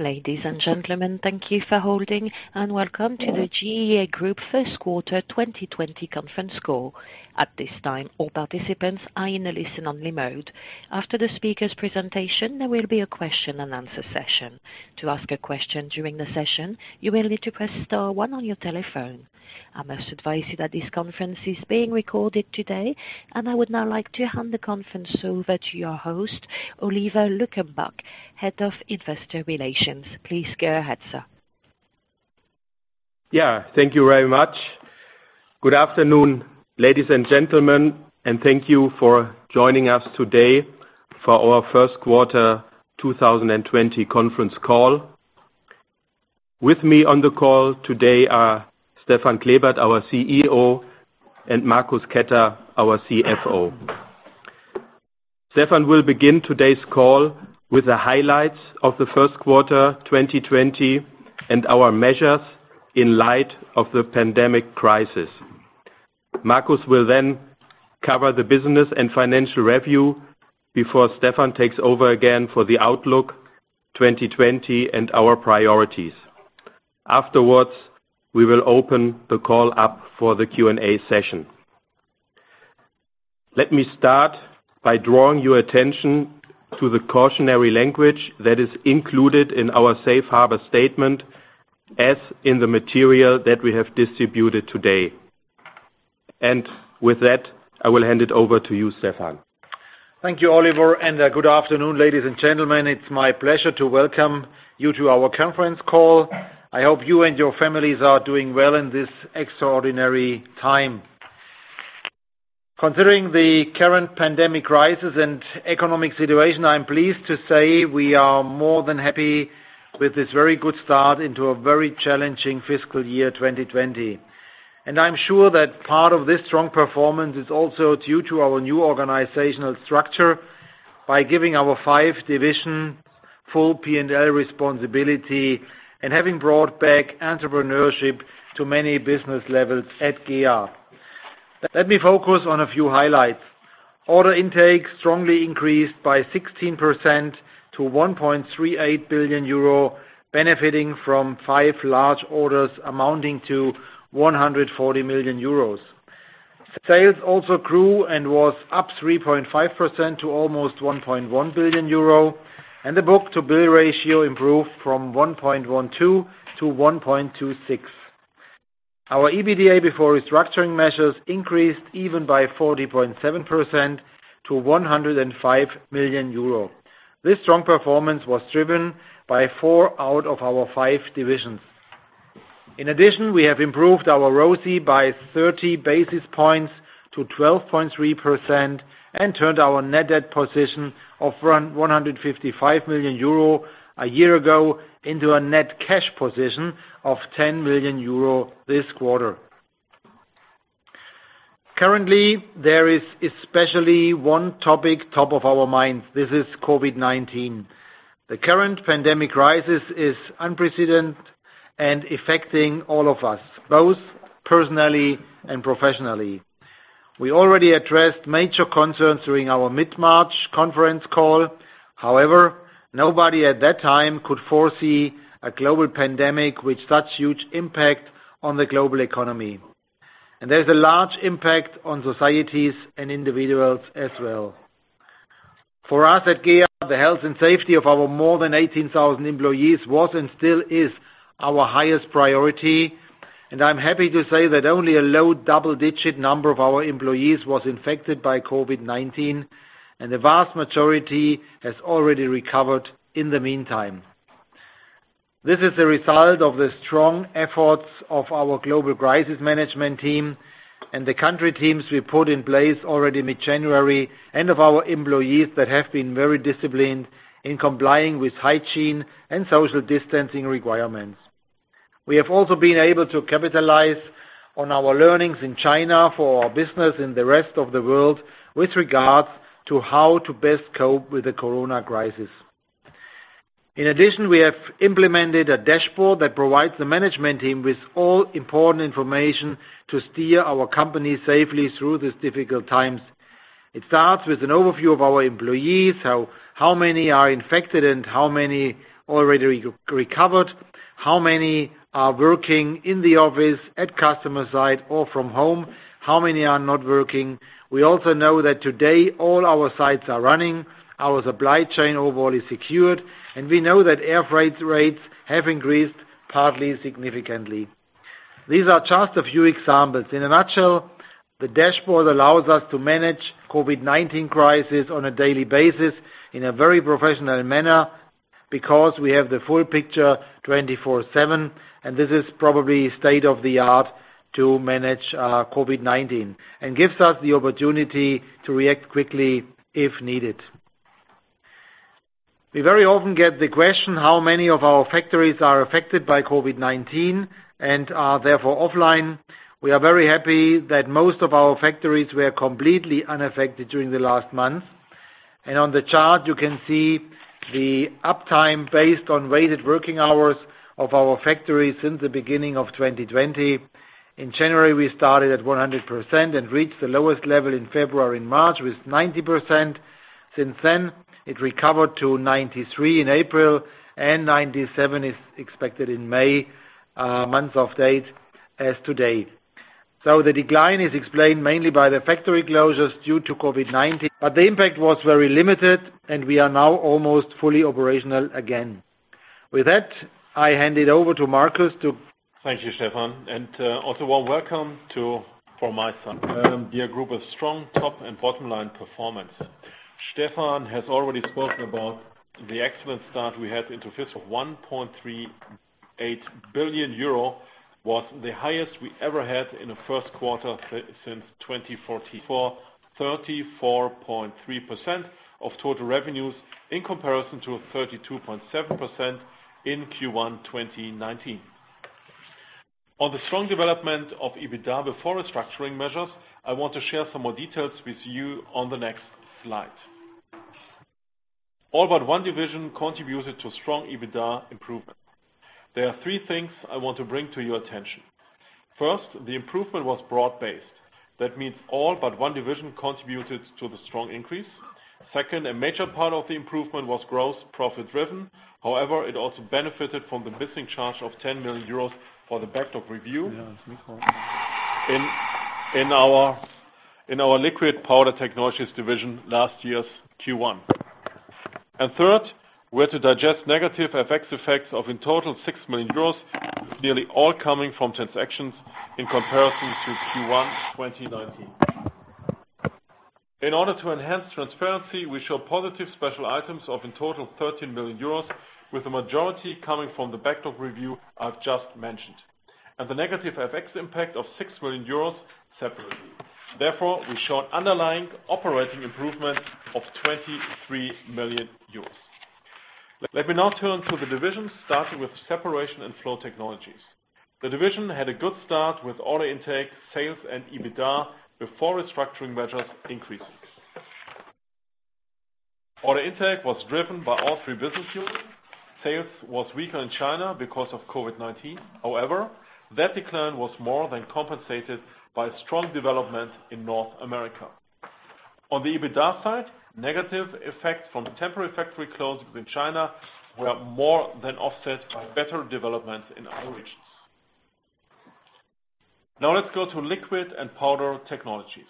Ladies and gentlemen, thank you for holding, and welcome to the GEA Group first quarter 2020 conference call. At this time, all participants are in a listen only mode. After the speaker's presentation, there will be a question and answer session. To ask a question during the session, you will need to press star one on your telephone. I must advise you that this conference is being recorded today, and I would now like to hand the conference over to your host, Oliver Luckenbach, head of investor relations. Please go ahead, sir. Yeah. Thank you very much. Good afternoon, ladies and gentlemen, and thank you for joining us today for our first quarter 2020 conference call. With me on the call today are Stefan Klebert, our CEO, and Marcus Ketter, our CFO. Stefan will begin today's call with the highlights of the first quarter 2020, and our measures in light of the pandemic crisis. Marcus will cover the business and financial review before Stefan takes over again for the outlook 2020 and our priorities. Afterwards, we will open the call up for the Q&A session. Let me start by drawing your attention to the cautionary language that is included in our Safe Harbor statement, as in the material that we have distributed today. With that, I will hand it over to you, Stefan. Thank you, Oliver, good afternoon, ladies and gentlemen. It's my pleasure to welcome you to our conference call. I hope you and your families are doing well in this extraordinary time. Considering the current pandemic crisis and economic situation, I'm pleased to say we are more than happy with this very good start into a very challenging fiscal year 2020. I'm sure that part of this strong performance is also due to our new organizational structure by giving our five divisions full P&L responsibility and having brought back entrepreneurship to many business levels at GEA. Let me focus on a few highlights. Order intake strongly increased by 16% to 1.38 billion euro, benefiting from five large orders amounting to 140 million euros. Sales also grew and was up 3.5% to almost 1.1 billion euro, and the book-to-bill ratio improved from 1.12 to 1.26. Our EBITDA before restructuring measures increased even by 40.7% to 105 million euro. This strong performance was driven by four out of our five divisions. In addition, we have improved our ROCE by 30 basis points to 12.3% and turned our net debt position of 155 million euro a year ago into a net cash position of 10 million euro this quarter. Currently, there is especially one topic top of our minds. This is COVID-19. The current pandemic crisis is unprecedented and affecting all of us, both personally and professionally. We already addressed major concerns during our mid-March conference call. However, nobody at that time could foresee a global pandemic with such huge impact on the global economy. There's a large impact on societies and individuals as well. For us at GEA, the health and safety of our more than 18,000 employees was and still is our highest priority, and I'm happy to say that only a low double-digit number of our employees was infected by COVID-19, and the vast majority has already recovered in the meantime. This is a result of the strong efforts of our global crisis management team and the country teams we put in place already mid-January and of our employees that have been very disciplined in complying with hygiene and social distancing requirements. We have also been able to capitalize on our learnings in China for our business in the rest of the world with regards to how to best cope with the Corona crisis. In addition, we have implemented a dashboard that provides the management team with all important information to steer our company safely through these difficult times. It starts with an overview of our employees, so how many are infected and how many already recovered, how many are working in the office, at customer site or from home, how many are not working. We also know that today all our sites are running, our supply chain overall is secured, and we know that air freight rates have increased partly significantly. These are just a few examples. In a nutshell, the dashboard allows us to manage COVID-19 crisis on a daily basis in a very professional manner because we have the full picture 24/7, and this is probably state-of-the-art to manage COVID-19 and gives us the opportunity to react quickly if needed. We very often get the question how many of our factories are affected by COVID-19 and are therefore offline. We are very happy that most of our factories were completely unaffected during the last month. On the chart you can see the uptime based on weighted working hours of our factories since the beginning of 2020. In January, we started at 100% and reached the lowest level in February and March with 90%. Since then, it recovered to 93% in April and 97% is expected in May, month-to-date as today. The decline is explained mainly by the factory closures due to COVID-19, but the impact was very limited, and we are now almost fully operational again. With that, I hand it over to Marcus. Thank you, Stefan. Also welcome from my side. GEA Group a strong top and bottom line performance. Stefan has already spoken about the excellent start we had into fiscal 1.38 billion euro was the highest we ever had in a first quarter since 2014. For 34.3% of total revenues in comparison to 32.7% in Q1 2019. On the strong development of EBITDA before restructuring measures, I want to share some more details with you on the next slide. All but one division contributed to strong EBITDA improvement. There are three things I want to bring to your attention. First, the improvement was broad-based. That means all but one division contributed to the strong increase. Second, a major part of the improvement was gross profit driven. However, it also benefited from the missing charge of 10 million euros for the backlog review in our Liquid & Powder Technologies division last year's Q1. Third, we had to digest negative FX effects of in total 6 million euros, nearly all coming from transactions in comparison to Q1 2019. In order to enhance transparency, we show positive special items of in total, 13 million euros, with the majority coming from the backlog review I've just mentioned, and the negative FX impact of 6 million euros separately. Therefore, we showed underlying operating improvement of 23 million euros. Let me now turn to the divisions, starting with Separation & Flow Technologies. The division had a good start with order intake, sales, and EBITDA before restructuring measures increased. Order intake was driven by all three business units. Sales was weaker in China because of COVID-19. However, that decline was more than compensated by strong development in North America. On the EBITDA side, negative effect from temporary factory closures in China were more than offset by better development in other regions. Now let's go to Liquid & Powder Technologies.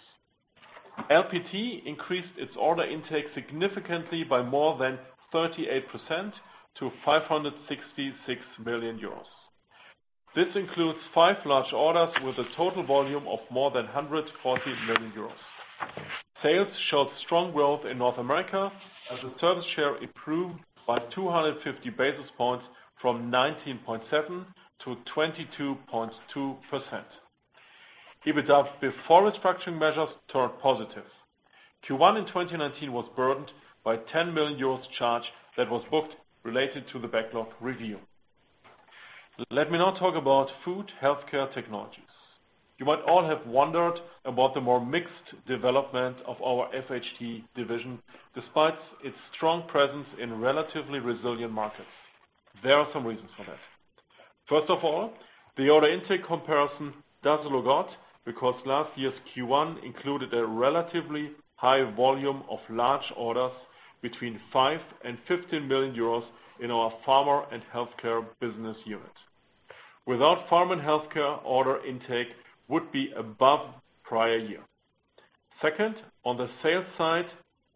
LPT increased its order intake significantly by more than 38% to 566 million euros. This includes five large orders with a total volume of more than 140 million euros. Sales showed strong growth in North America as the service share improved by 250 basis points from 19.7% to 22.2%. EBITDA before restructuring measures turned positive. Q1 in 2019 was burdened by 10 million euros charge that was booked related to the backlog review. Let me now talk about Food & Healthcare Technologies. You might all have wondered about the more mixed development of our FHT division, despite its strong presence in relatively resilient markets. There are some reasons for that. First of all, the order intake comparison doesn't look odd, because last year's Q1 included a relatively high volume of large orders between 5 million and 15 million euros in our pharma and healthcare business unit. Second, on the sales side,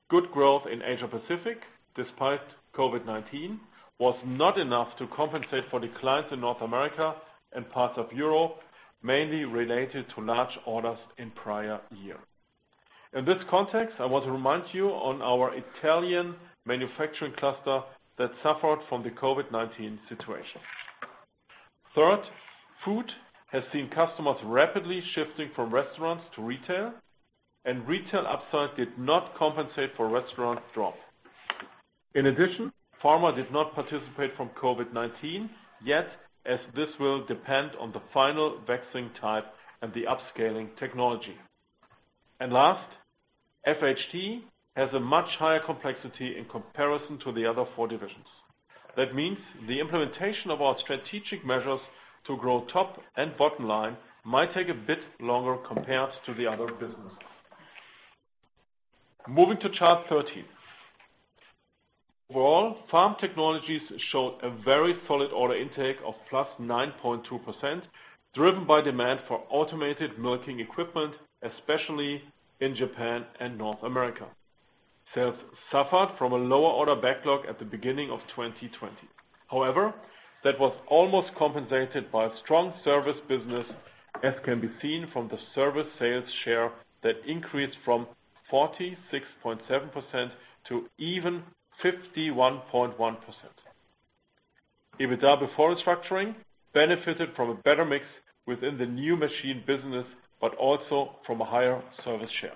good growth in Asia-Pacific, despite COVID-19, was not enough to compensate for declines in North America and parts of Europe, mainly related to large orders in prior year. In this context, I want to remind you on our Italian manufacturing cluster that suffered from the COVID-19 situation. Third, food has seen customers rapidly shifting from restaurants to retail, Retail upside did not compensate for restaurant drop. In addition, pharma did not participate from COVID-19, yet, as this will depend on the final vaccine type and the upscaling technology. Last, FHT has a much higher complexity in comparison to the other four divisions. That means the implementation of our strategic measures to grow top and bottom line might take a bit longer compared to the other businesses. Moving to chart 13. Overall, Farm Technologies showed a very solid order intake of +9.2%, driven by demand for automated milking equipment, especially in Japan and North America. Sales suffered from a lower order backlog at the beginning of 2020. That was almost compensated by a strong service business, as can be seen from the service sales share that increased from 46.7% to even 51.1%. EBITDA before restructuring benefited from a better mix within the new machine business, but also from a higher service share.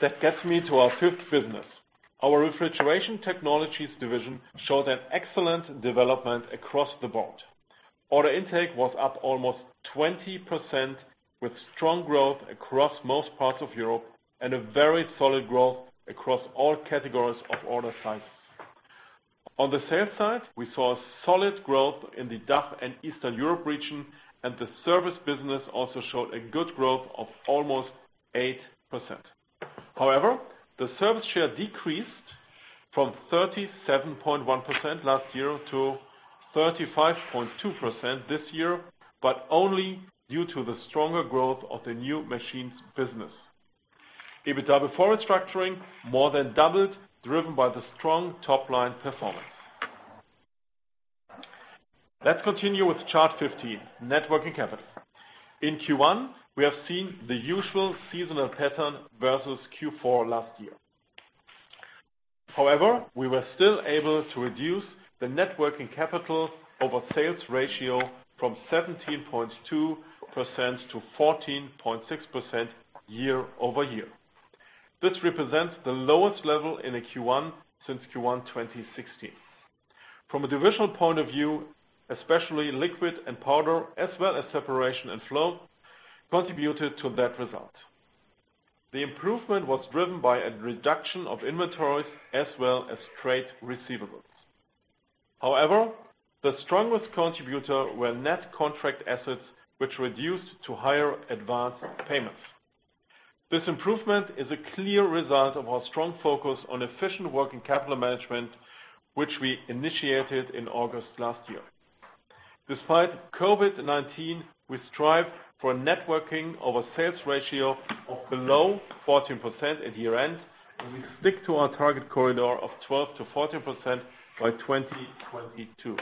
That gets me to our fifth business. Our Refrigeration Technologies division showed an excellent development across the board. Order intake was up almost 20% with strong growth across most parts of Europe and a very solid growth across all categories of order sizes. On the sales side, we saw solid growth in the DACH and Eastern Europe region, and the service business also showed a good growth of almost 8%. However, the service share decreased from 37.1% last year to 35.2% this year, only due to the stronger growth of the new machines business. EBITDA before restructuring more than doubled, driven by the strong top-line performance. Let's continue with chart 15, working capital. In Q1, we have seen the usual seasonal pattern versus Q4 last year. However, we were still able to reduce the net working capital over sales ratio from 17.2% to 14.6% year-over-year. This represents the lowest level in a Q1 since Q1 2016. From a divisional point of view, especially Liquid and Powder as well as Separation and Flow contributed to that result. The improvement was driven by a reduction of inventories as well as trade receivables. The strongest contributor were net contract assets, which reduced to higher advance payments. This improvement is a clear result of our strong focus on efficient working capital management, which we initiated in August last year. Despite COVID-19, we strive for net working over sales ratio of below 14% at year-end, and we stick to our target corridor of 12%-14% by 2022.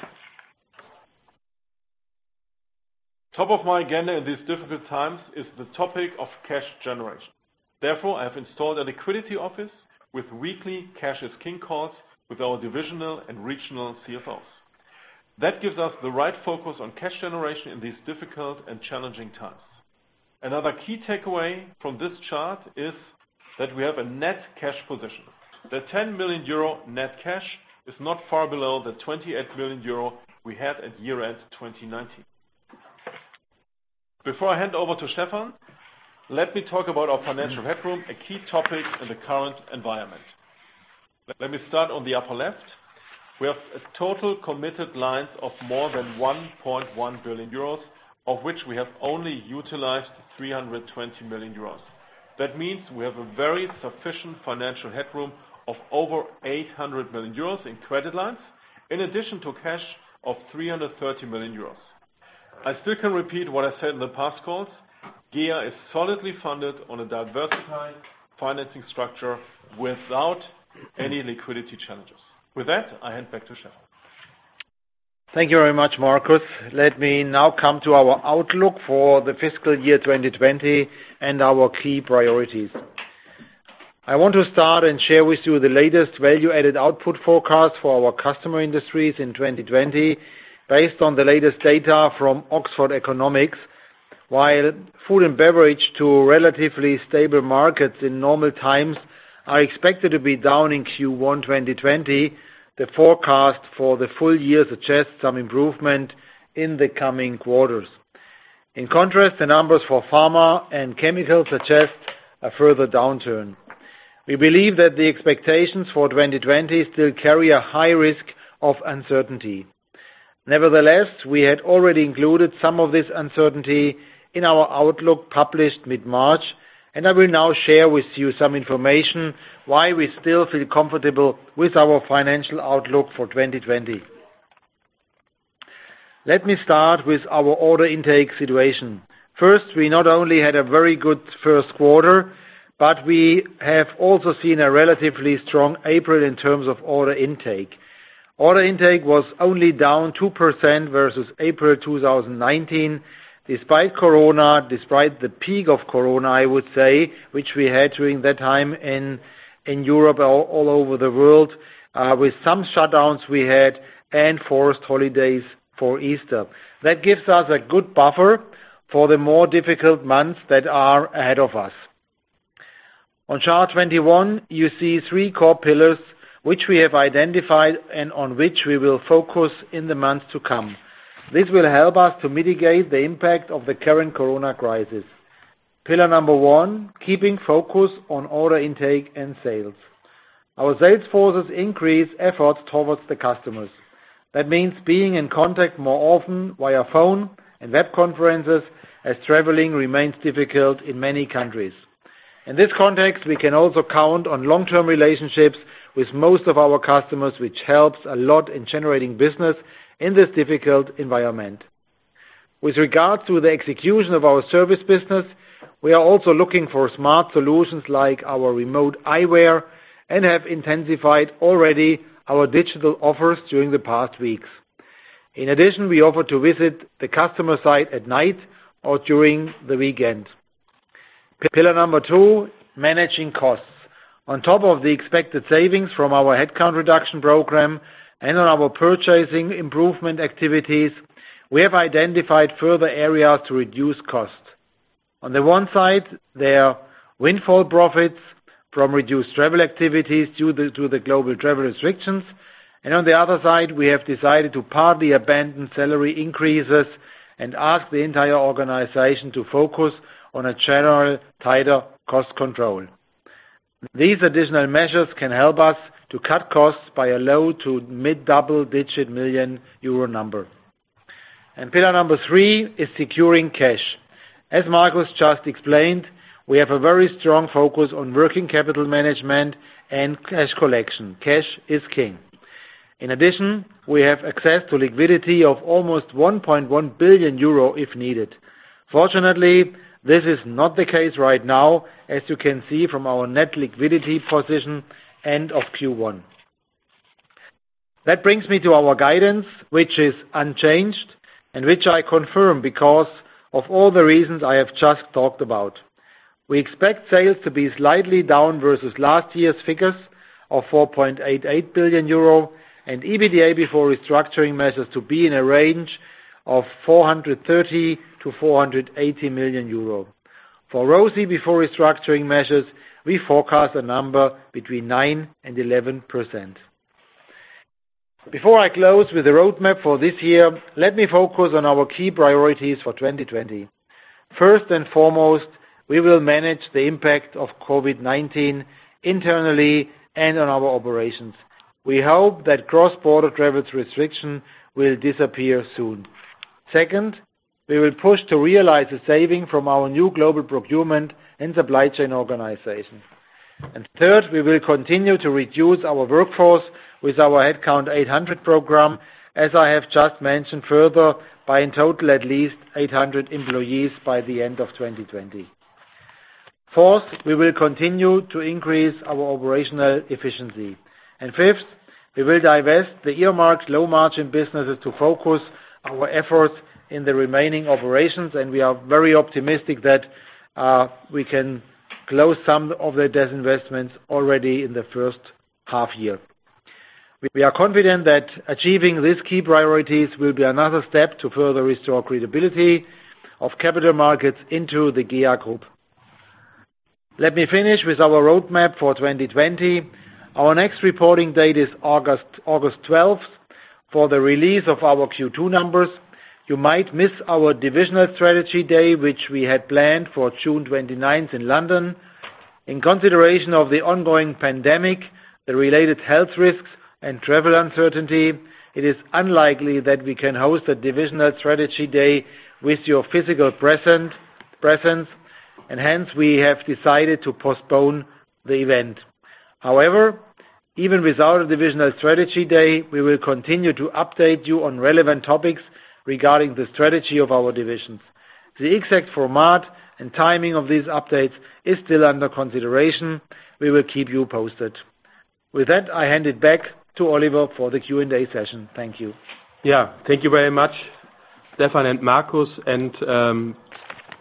Top of my agenda in these difficult times is the topic of cash generation. I have installed a liquidity office with weekly cash is king calls with our divisional and regional CFOs. That gives us the right focus on cash generation in these difficult and challenging times. Another key takeaway from this chart is that we have a net cash position. The 10 million euro net cash is not far below the 28 million euro we had at year-end 2019. Before I hand over to Stefan, let me talk about our financial headroom, a key topic in the current environment. Let me start on the upper left. We have a total committed lines of more than 1.1 billion euros, of which we have only utilized 320 million euros. That means we have a very sufficient financial headroom of over 800 million euros in credit lines, in addition to cash of 330 million euros. I still can repeat what I said in the past calls. GEA is solidly funded on a diversified financing structure without any liquidity challenges. With that, I hand back to Stefan. Thank you very much, Marcus. Let me now come to our outlook for the fiscal year 2020 and our key priorities. I want to start and share with you the latest value-added output forecast for our customer industries in 2020 based on the latest data from Oxford Economics. While food and beverage to relatively stable markets in normal times are expected to be down in Q1 2020, the forecast for the full year suggests some improvement in the coming quarters. In contrast, the numbers for pharma and chemicals suggest a further downturn. We believe that the expectations for 2020 still carry a high risk of uncertainty. Nevertheless, we had already included some of this uncertainty in our outlook published mid-March, and I will now share with you some information why we still feel comfortable with our financial outlook for 2020. Let me start with our order intake situation. First, we not only had a very good first quarter, we have also seen a relatively strong April in terms of order intake. Order intake was only down 2% versus April 2019, despite Corona, despite the peak of Corona, I would say, which we had during that time in Europe, all over the world, with some shutdowns we had and forced holidays for Easter. That gives us a good buffer for the more difficult months that are ahead of us. On chart 21, you see three core pillars which we have identified and on which we will focus in the months to come. This will help us to mitigate the impact of the current Corona crisis. Pillar number 1, keeping focus on order intake and sales. Our sales forces increase efforts towards the customers. That means being in contact more often via phone and web conferences as traveling remains difficult in many countries. In this context, we can also count on long-term relationships with most of our customers, which helps a lot in generating business in this difficult environment. With regards to the execution of our service business, we are also looking for smart solutions like our GEA Remote Eye Wear and have intensified already our digital offers during the past weeks. In addition, we offer to visit the customer site at night or during the weekend. Pillar number 2, managing costs. On top of the expected savings from our headcount reduction program and on our purchasing improvement activities, we have identified further areas to reduce costs. On the one side, there are windfall profits from reduced travel activities due to the global travel restrictions. On the other side, we have decided to partly abandon salary increases and ask the entire organization to focus on a general tighter cost control. These additional measures can help us to cut costs by a low to mid-double-digit million EUR number. Pillar number 3 is securing cash. As Marcus just explained, we have a very strong focus on working capital management and cash collection. Cash is king. In addition, we have access to liquidity of almost 1.1 billion euro if needed. Fortunately, this is not the case right now, as you can see from our net liquidity position end of Q1. That brings me to our guidance, which is unchanged, and which I confirm because of all the reasons I have just talked about. We expect sales to be slightly down versus last year's figures of 4.88 billion euro, and EBITDA before restructuring measures to be in a range of 430 million-480 million euro. For ROCE before restructuring measures, we forecast a number between 9%-11%. Before I close with the roadmap for this year, let me focus on our key priorities for 2020. First and foremost, we will manage the impact of COVID-19 internally and on our operations. We hope that cross-border travel restriction will disappear soon. Second, we will push to realize the saving from our new global procurement and supply chain organization. Third, we will continue to reduce our workforce with our Headcount 800 program, as I have just mentioned further, by in total, at least 800 employees by the end of 2020. Fourth, we will continue to increase our operational efficiency. Fifth, we will divest the earmarked low-margin businesses to focus our efforts in the remaining operations, and we are very optimistic that we can close some of the divestments already in the first half year. We are confident that achieving these key priorities will be another step to further restore credibility of capital markets into the GEA Group. Let me finish with our roadmap for 2020. Our next reporting date is August 12th for the release of our Q2 numbers. You might miss our Divisional Strategy Day, which we had planned for June 29th in London. In consideration of the ongoing pandemic, the related health risks, and travel uncertainty, it is unlikely that we can host a Divisional Strategy Day with your physical presence. Hence, we have decided to postpone the event. Even without a Divisional Strategy Day, we will continue to update you on relevant topics regarding the strategy of our divisions. The exact format and timing of these updates is still under consideration. We will keep you posted. With that, I hand it back to Oliver for the Q&A session. Thank you. Yeah. Thank you very much, Stefan and Marcus.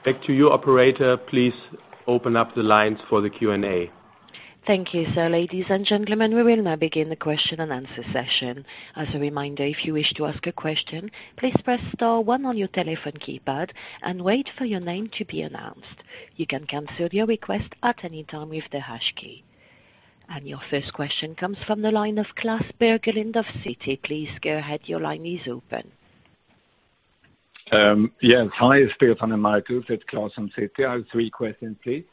Back to you, operator. Please open up the lines for the Q&A. Thank you, sir. Ladies and gentlemen, we will now begin the question and answer session. As a reminder, if you wish to ask a question, please press star one on your telephone keypad and wait for your name to be announced. You can cancel your request at any time with the hash key. Your first question comes from the line of Klas Bergelind of Citi. Please go ahead. Your line is open. Yes. Hi, Stefan and Marcus. It's Klas from Citi. I have three questions, please.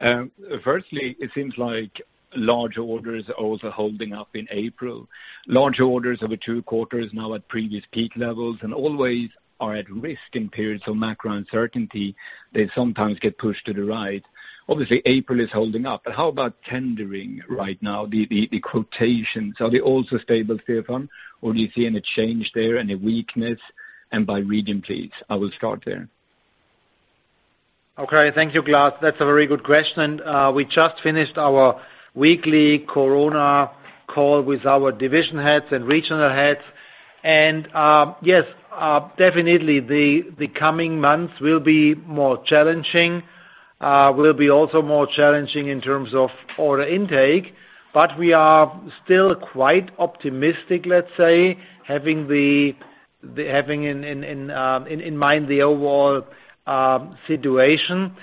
Firstly, it seems like large orders are also holding up in April. Large orders over two quarters now at previous peak levels and always are at risk in periods of macro uncertainty. They sometimes get pushed to the right. Obviously, April is holding up, but how about tendering right now? The quotations, are they also stable, Stefan? Do you see any change there, any weakness? By region, please. I will start there. Okay. Thank you, Klas. That's a very good question. We just finished our weekly Corona call with our division heads and regional heads. Yes, definitely the coming months will be more challenging, will be also more challenging in terms of order intake. We are still quite optimistic, let's say, having in mind the overall situation.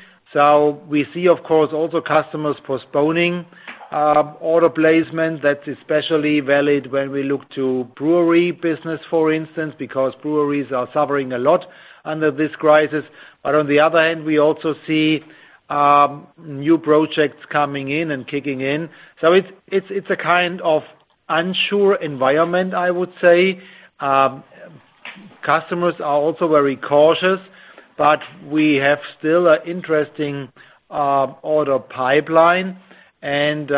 We see, of course, also customers postponing order placement. That's especially valid when we look to brewery business, for instance, because breweries are suffering a lot under this crisis. On the other hand, we also see new projects coming in and kicking in. It's a kind of unsure environment, I would say. Customers are also very cautious, but we have still an interesting order pipeline, and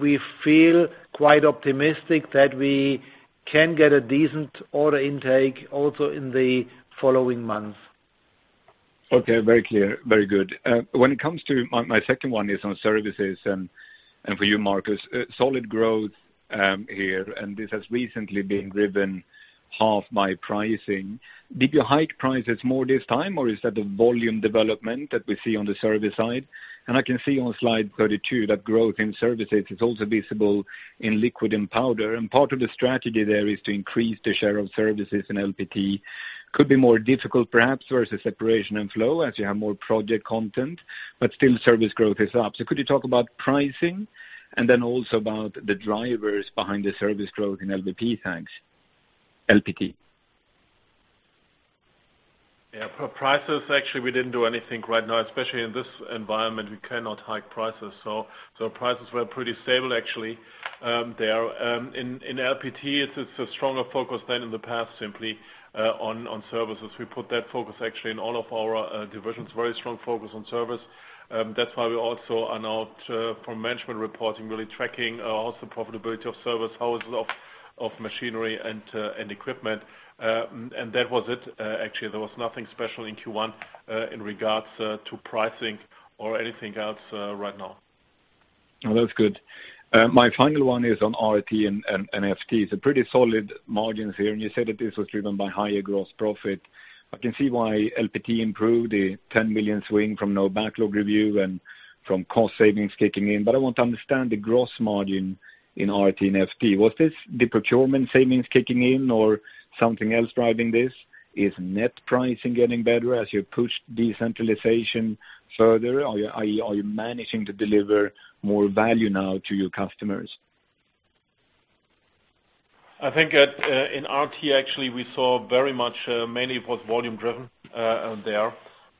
we feel quite optimistic that we can get a decent order intake also in the following months. Okay. Very clear. Very good. My second one is on services and for you, Marcus. Solid growth here, and this has recently been driven half by pricing. Did you hike prices more this time, or is that the volume development that we see on the service side? I can see on slide 32 that growth in services is also visible in Liquid & Powder, and part of the strategy there is to increase the share of services in LPT. Could be more difficult, perhaps, versus Separation & Flow as you have more project content, but still service growth is up. Could you talk about pricing and then also about the drivers behind the service growth in LPT? Thanks. LPT Yeah. For prices, actually, we didn't do anything right now, especially in this environment, we cannot hike prices. Prices were pretty stable, actually. In LPT, it's a stronger focus than in the past simply on services. We put that focus actually in all of our divisions, very strong focus on service. That's why we also announced for management reporting, really tracking also profitability of service, [how is it of] machinery and equipment. That was it. Actually, there was nothing special in Q1 in regards to pricing or anything else right now. That's good. My final one is on RT and SFT. It's a pretty solid margins here, and you said that this was driven by higher gross profit. I can see why LPT improved the 10 million swing from no backlog review and from cost savings kicking in. I want to understand the gross margin in RT and SFT. Was this the procurement savings kicking in or something else driving this? Is net pricing getting better as you push decentralization further, or are you managing to deliver more value now to your customers? I think in RT, actually, we saw very much mainly it was volume driven there.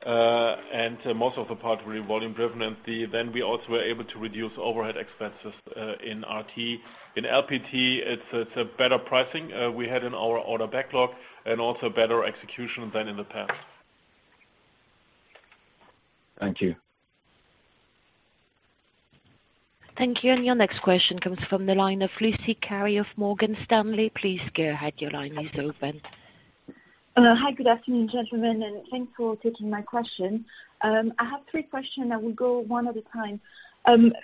Most of the parts were volume driven. Then we also were able to reduce overhead expenses in RT. In LPT, it's a better pricing we had in our order backlog and also better execution than in the past. Thank you. Thank you. Your next question comes from the line of Lucie Carrier of Morgan Stanley. Please go ahead. Your line is open. Hi. Good afternoon, gentlemen, and thanks for taking my question. I have three questions. I will go one at a time.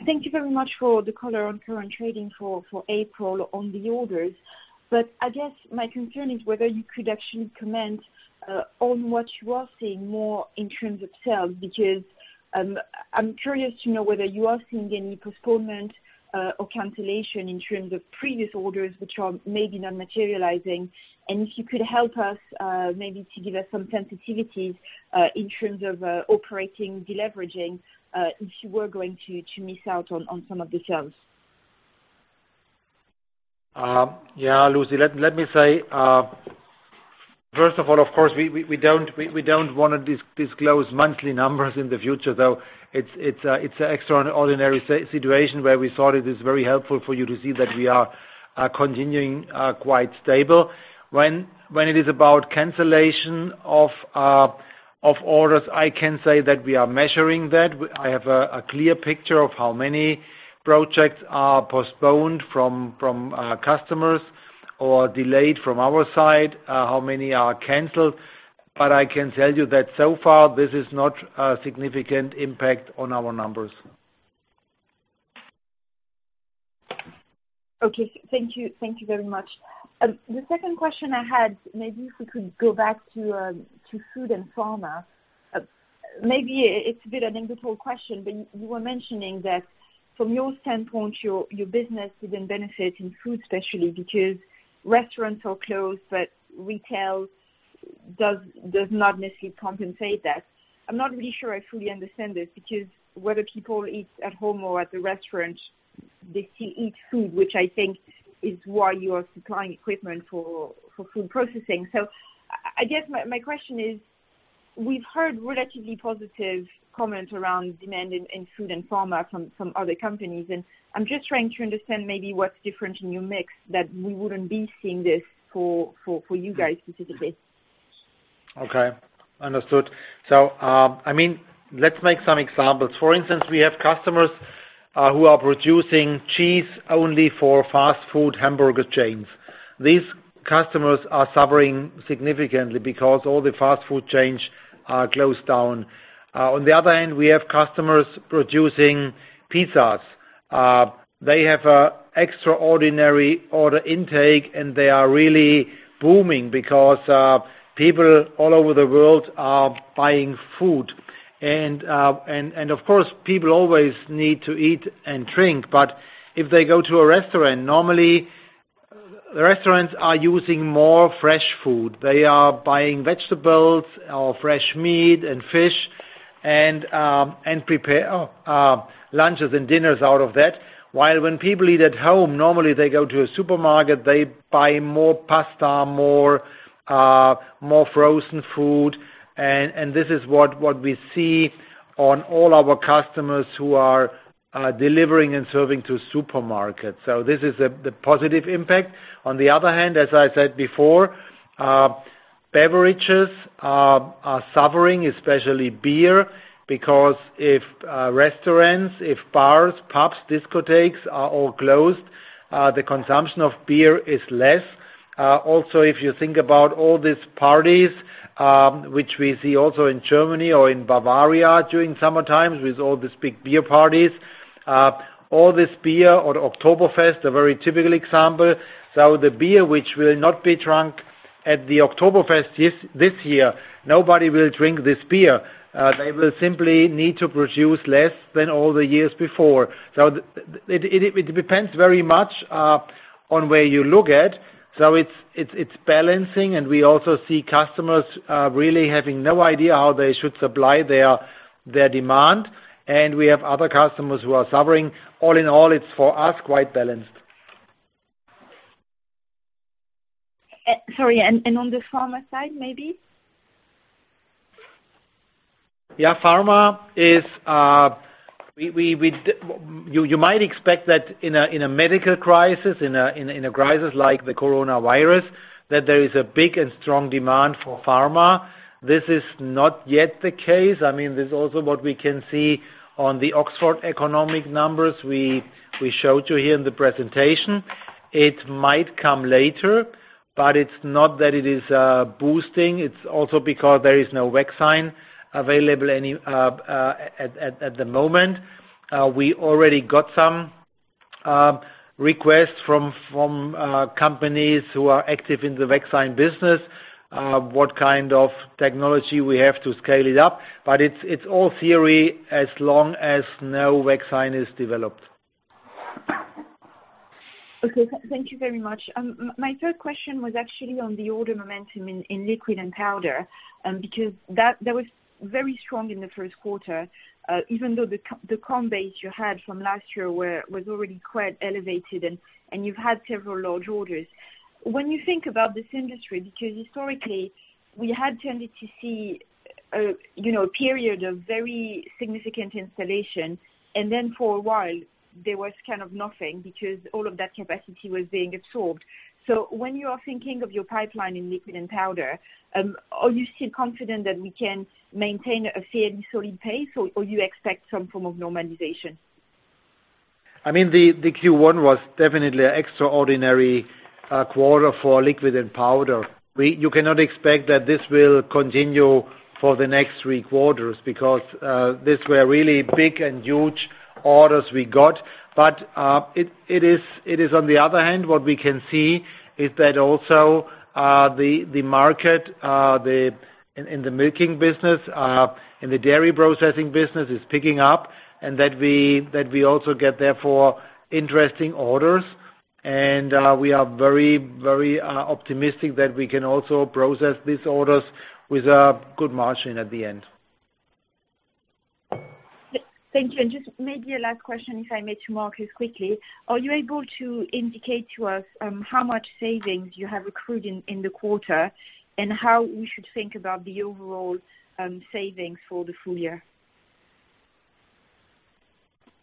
Thank you very much for the color on current trading for April on the orders. I guess my concern is whether you could actually comment on what you are seeing more in terms of sales, because I'm curious to know whether you are seeing any postponement or cancellation in terms of previous orders which are maybe not materializing, and if you could help us maybe to give us some sensitivities in terms of operating deleveraging if you were going to miss out on some of the sales. Yeah, Lucie, let me say, first of all, of course, we don't want to disclose monthly numbers in the future, though it's an extraordinary situation where we thought it is very helpful for you to see that we are continuing quite stable. When it is about cancellation of orders, I can say that we are measuring that. I have a clear picture of how many projects are postponed from customers or delayed from our side, how many are canceled. I can tell you that so far, this is not a significant impact on our numbers. Okay. Thank you very much. The second question I had, maybe if we could go back to food and pharma. Maybe it's a bit an anecdotal question, but you were mentioning that from your standpoint, your business has been benefiting food especially because restaurants are closed, but retail does not necessarily compensate that. I'm not really sure I fully understand this because whether people eat at home or at the restaurant, they still eat food, which I think is why you are supplying equipment for food processing. I guess my question is, we've heard relatively positive comments around demand in food and pharma from other companies, and I'm just trying to understand maybe what's different in your mix that we wouldn't be seeing this for you guys specifically. Okay. Understood. Let's make some examples. For instance, we have customers who are producing cheese only for fast food hamburger chains. These customers are suffering significantly because all the fast food chains are closed down. On the other hand, we have customers producing pizzas. They have extraordinary order intake and they are really booming because people all over the world are buying food. Of course, people always need to eat and drink, but if they go to a restaurant, normally, restaurants are using more fresh food. They are buying vegetables or fresh meat and fish and prepare lunches and dinners out of that. While when people eat at home, normally they go to a supermarket, they buy more pasta, more frozen food and this is what we see on all our customers who are delivering and serving to supermarkets. This is the positive impact. As I said before, beverages are suffering, especially beer, because if restaurants, if bars, pubs, discotheques are all closed, the consumption of beer is less. If you think about all these parties, which we see also in Germany or in Bavaria during summertime with all these big beer parties. All this beer or Oktoberfest, a very typical example. The beer which will not be drunk at the Oktoberfest this year, nobody will drink this beer. They will simply need to produce less than all the years before. It depends very much on where you look at. It's balancing and we also see customers really having no idea how they should supply their demand, and we have other customers who are suffering. It's for us, quite balanced. Sorry, on the pharma side, maybe? Yeah, pharma, you might expect that in a medical crisis, in a crisis like the coronavirus, that there is a big and strong demand for pharma. This is not yet the case. This is also what we can see on the Oxford Economics numbers we showed you here in the presentation. It might come later, it's not that it is boosting. It's also because there is no vaccine available at the moment. We already got some requests from companies who are active in the vaccine business, what kind of technology we have to scale it up. It's all theory as long as no vaccine is developed. Okay. Thank you very much. My third question was actually on the order momentum in Liquid & Powder, because that was very strong in the first quarter. Even though the comp base you had from last year was already quite elevated, you've had several large orders. When you think about this industry, because historically we had tended to see a period of very significant installation and then for a while there was kind of nothing because all of that capacity was being absorbed. When you are thinking of your pipeline in Liquid & Powder, are you still confident that we can maintain a fairly solid pace, or you expect some form of normalization? The Q1 was definitely an extraordinary quarter for Liquid & Powder. You cannot expect that this will continue for the next three quarters because these were really big and huge orders we got. It is on the other hand, what we can see is that also the market in the milking business, in the dairy processing business is picking up and that we also get therefore interesting orders and we are very optimistic that we can also process these orders with a good margin at the end. Thank you. Just maybe a last question, if I may, to Marcus quickly. Are you able to indicate to us how much savings you have accrued in the quarter and how we should think about the overall savings for the full year?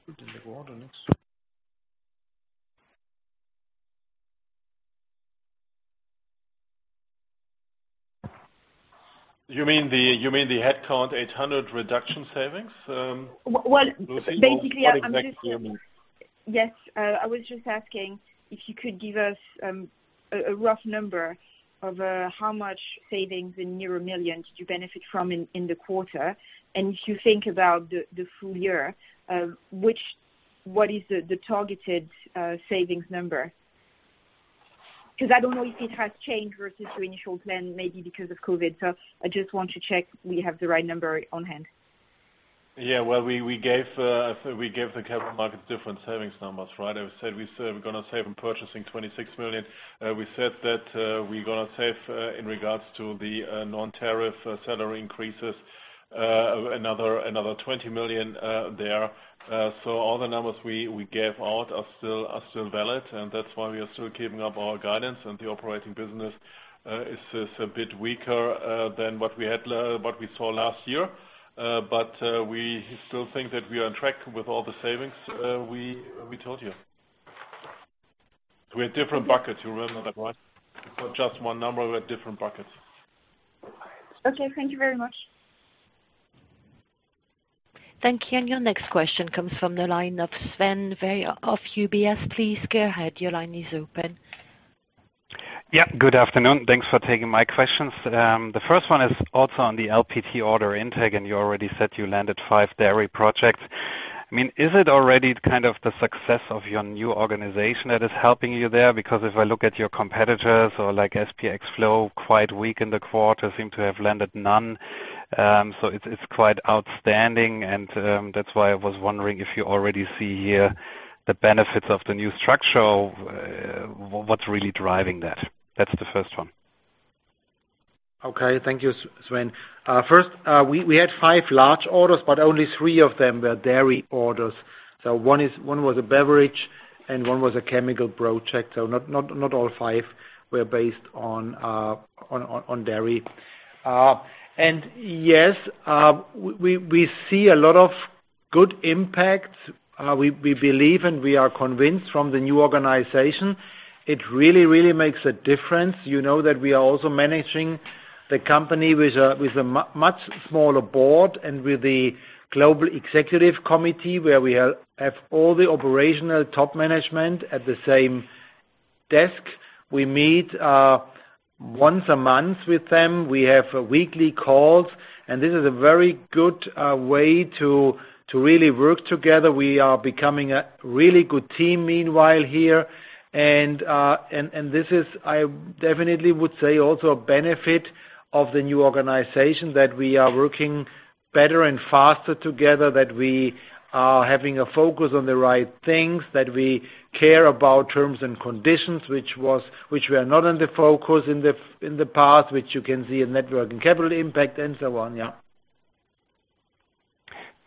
Put in the order next. You mean the Headcount 800 reduction savings, Lucie? What exactly you mean? Well, basically, Yes. I was just asking if you could give us a rough number of how much savings in euro millions did you benefit from in the quarter. If you think about the full year, what is the targeted savings number? I don't know if it has changed versus your initial plan, maybe because of COVID. I just want to check we have the right number on hand. Yeah. Well, we gave the capital market different savings numbers, right? I said we're going to save on purchasing 26 million. We said that we're going to save in regards to the non-tariff salary increases another 20 million there. All the numbers we gave out are still valid, and that's why we are still keeping up our guidance and the operating business is a bit weaker than what we saw last year. We still think that we are on track with all the savings we told you. We have different buckets. You remember that, right? It's not just one number, we have different buckets. Okay. Thank you very much. Thank you. Your next question comes from the line of Sven Weyers of UBS. Please go ahead. Your line is open. Good afternoon. Thanks for taking my questions. The first one is also on the LPT order intake, and you already said you landed five dairy projects. Is it already kind of the success of your new organization that is helping you there? If I look at your competitors or like SPX Flow, quite weak in the quarter, seem to have landed none. It's quite outstanding and that's why I was wondering if you already see here the benefits of the new structure of what's really driving that. That's the first one. Okay. Thank you, Sven. First, we had five large orders, only three of them were dairy orders. One was a beverage and one was a chemical project. Not all five were based on dairy. Yes, we see a lot of good impact. We believe, we are convinced from the new organization it really makes a difference. You know that we are also managing the company with a much smaller board and with the Global Executive Committee where we have all the operational top management at the same desk. We meet once a month with them. We have weekly calls this is a very good way to really work together. We are becoming a really good team meanwhile here. This is, I definitely would say also a benefit of the new organization that we are working better and faster together, that we are having a focus on the right things, that we care about terms and conditions, which were not in the focus in the past, which you can see in net working capital impact and so on, yeah.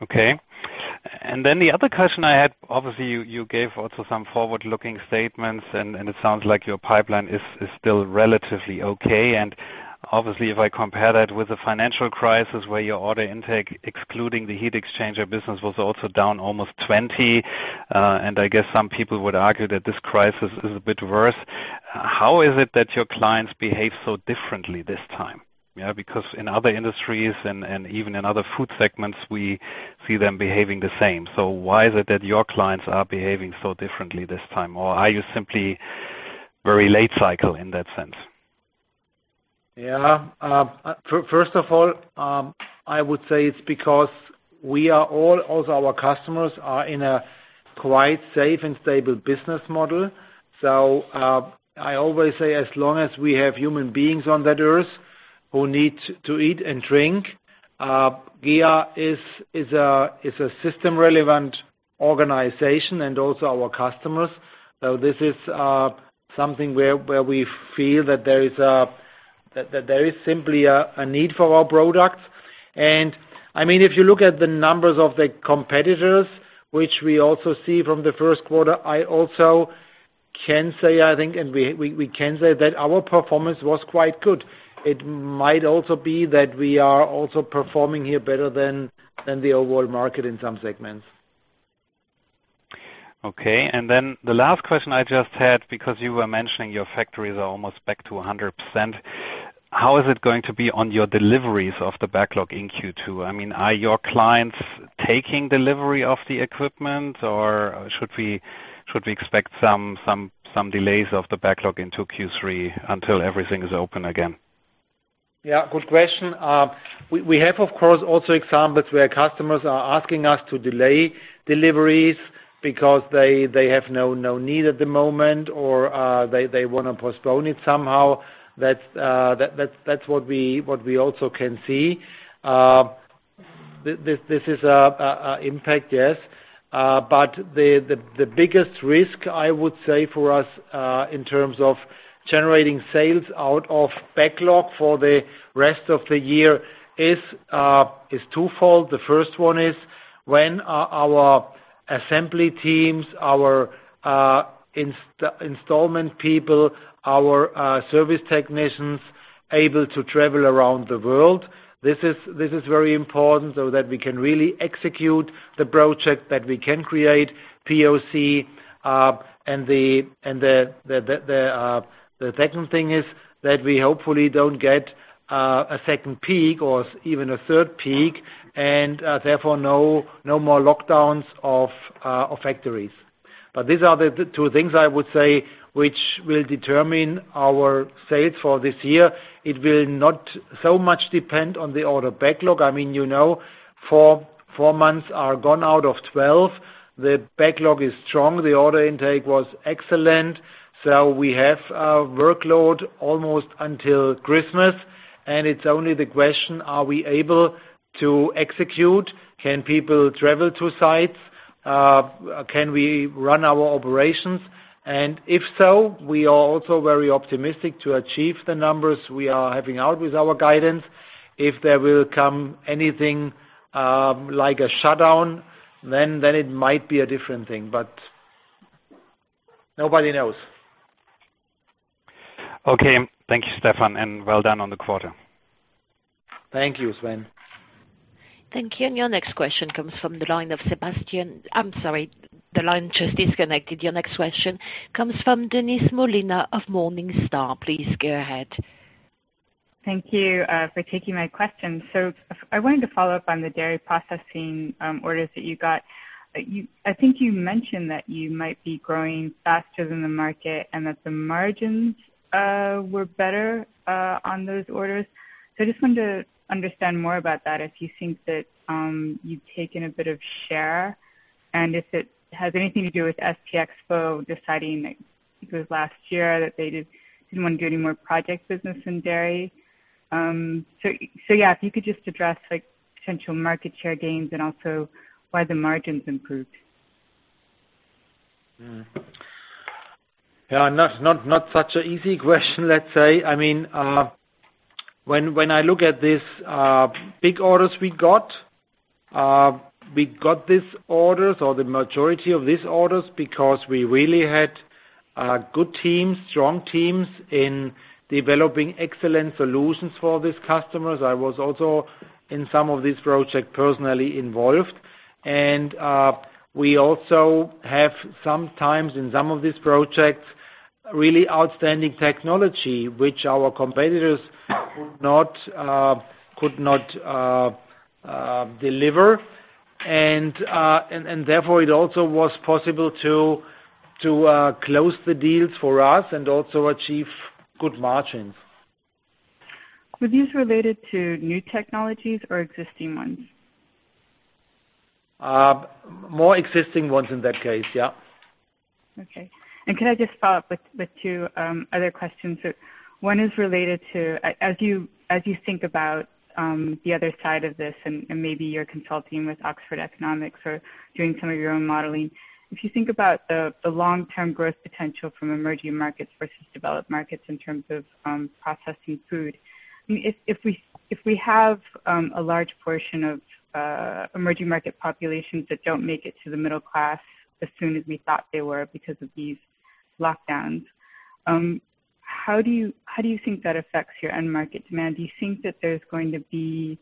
Okay. The other question I had, obviously, you gave also some forward-looking statements, and it sounds like your pipeline is still relatively okay. Obviously if I compare that with the financial crisis where your order intake, excluding the heat exchanger business, was also down almost 20. I guess some people would argue that this crisis is a bit worse. How is it that your clients behave so differently this time? In other industries and even in other food segments, we see them behaving the same. Why is it that your clients are behaving so differently this time? Or are you simply very late cycle in that sense? First of all, I would say it's because we are all, also our customers, are in a quite safe and stable business model. I always say, as long as we have human beings on that earth who need to eat and drink, GEA is a system-relevant organization, and also our customers. This is something where we feel that there is simply a need for our products. If you look at the numbers of the competitors, which we also see from the first quarter, I also can say, I think, and we can say that our performance was quite good. It might also be that we are also performing here better than the overall market in some segments. Okay. The last question I just had, because you were mentioning your factories are almost back to 100%. How is it going to be on your deliveries of the backlog in Q2? Are your clients taking delivery of the equipment, or should we expect some delays of the backlog into Q3 until everything is open again? Good question. We have, of course, also examples where customers are asking us to delay deliveries because they have no need at the moment, or they want to postpone it somehow. That's what we also can see. This is an impact, yes. The biggest risk, I would say for us, in terms of generating sales out of backlog for the rest of the year is twofold. The first one is when our assembly teams, our installment people, our service technicians able to travel around the world. This is very important so that we can really execute the project, that we can create POC. The second thing is that we hopefully don't get a second peak or even a third peak, and therefore, no more lockdowns of factories. These are the two things I would say which will determine our sales for this year. It will not so much depend on the order backlog. Four months are gone out of 12. The backlog is strong. The order intake was excellent. We have a workload almost until Christmas. It's only the question, are we able to execute? Can people travel to sites? Can we run our operations? If so, we are also very optimistic to achieve the numbers we are having out with our guidance. If there will come anything like a shutdown, it might be a different thing. Nobody knows. Okay. Thank you, Stefan, and well done on the quarter. Thank you, Sven. Thank you. Your next question comes from the line of Sebastian-- I'm sorry, the line just disconnected. Your next question comes from Denise Molina of Morningstar. Please go ahead. Thank you for taking my question. I wanted to follow up on the dairy processing orders that you got. I think you mentioned that you might be growing faster than the market and that the margins were better on those orders. I just wanted to understand more about that, if you think that you've taken a bit of share and if it has anything to do with SPX FLOW deciding, I think it was last year, that they didn't want to do any more project business in dairy. If you could just address potential market share gains and also why the margins improved. Yeah. Not such an easy question, let's say. When I look at these big orders we got, we got these orders or the majority of these orders because we really had good teams, strong teams in developing excellent solutions for these customers. I was also in some of these projects personally involved. We also have, sometimes in some of these projects, really outstanding technology, which our competitors could not deliver. Therefore it also was possible to close the deals for us and also achieve good margins. Were these related to new technologies or existing ones? More existing ones in that case. Yeah. Okay. Can I just follow up with two other questions? One is related to, as you think about the other side of this, and maybe you're consulting with Oxford Economics or doing some of your own modeling. If you think about the long-term growth potential from emerging markets versus developed markets in terms of processing food. If we have a large portion of emerging market populations that don't make it to the middle class as soon as we thought they were because of these lockdowns. How do you think that affects your end market demand? Do you think that there's going to be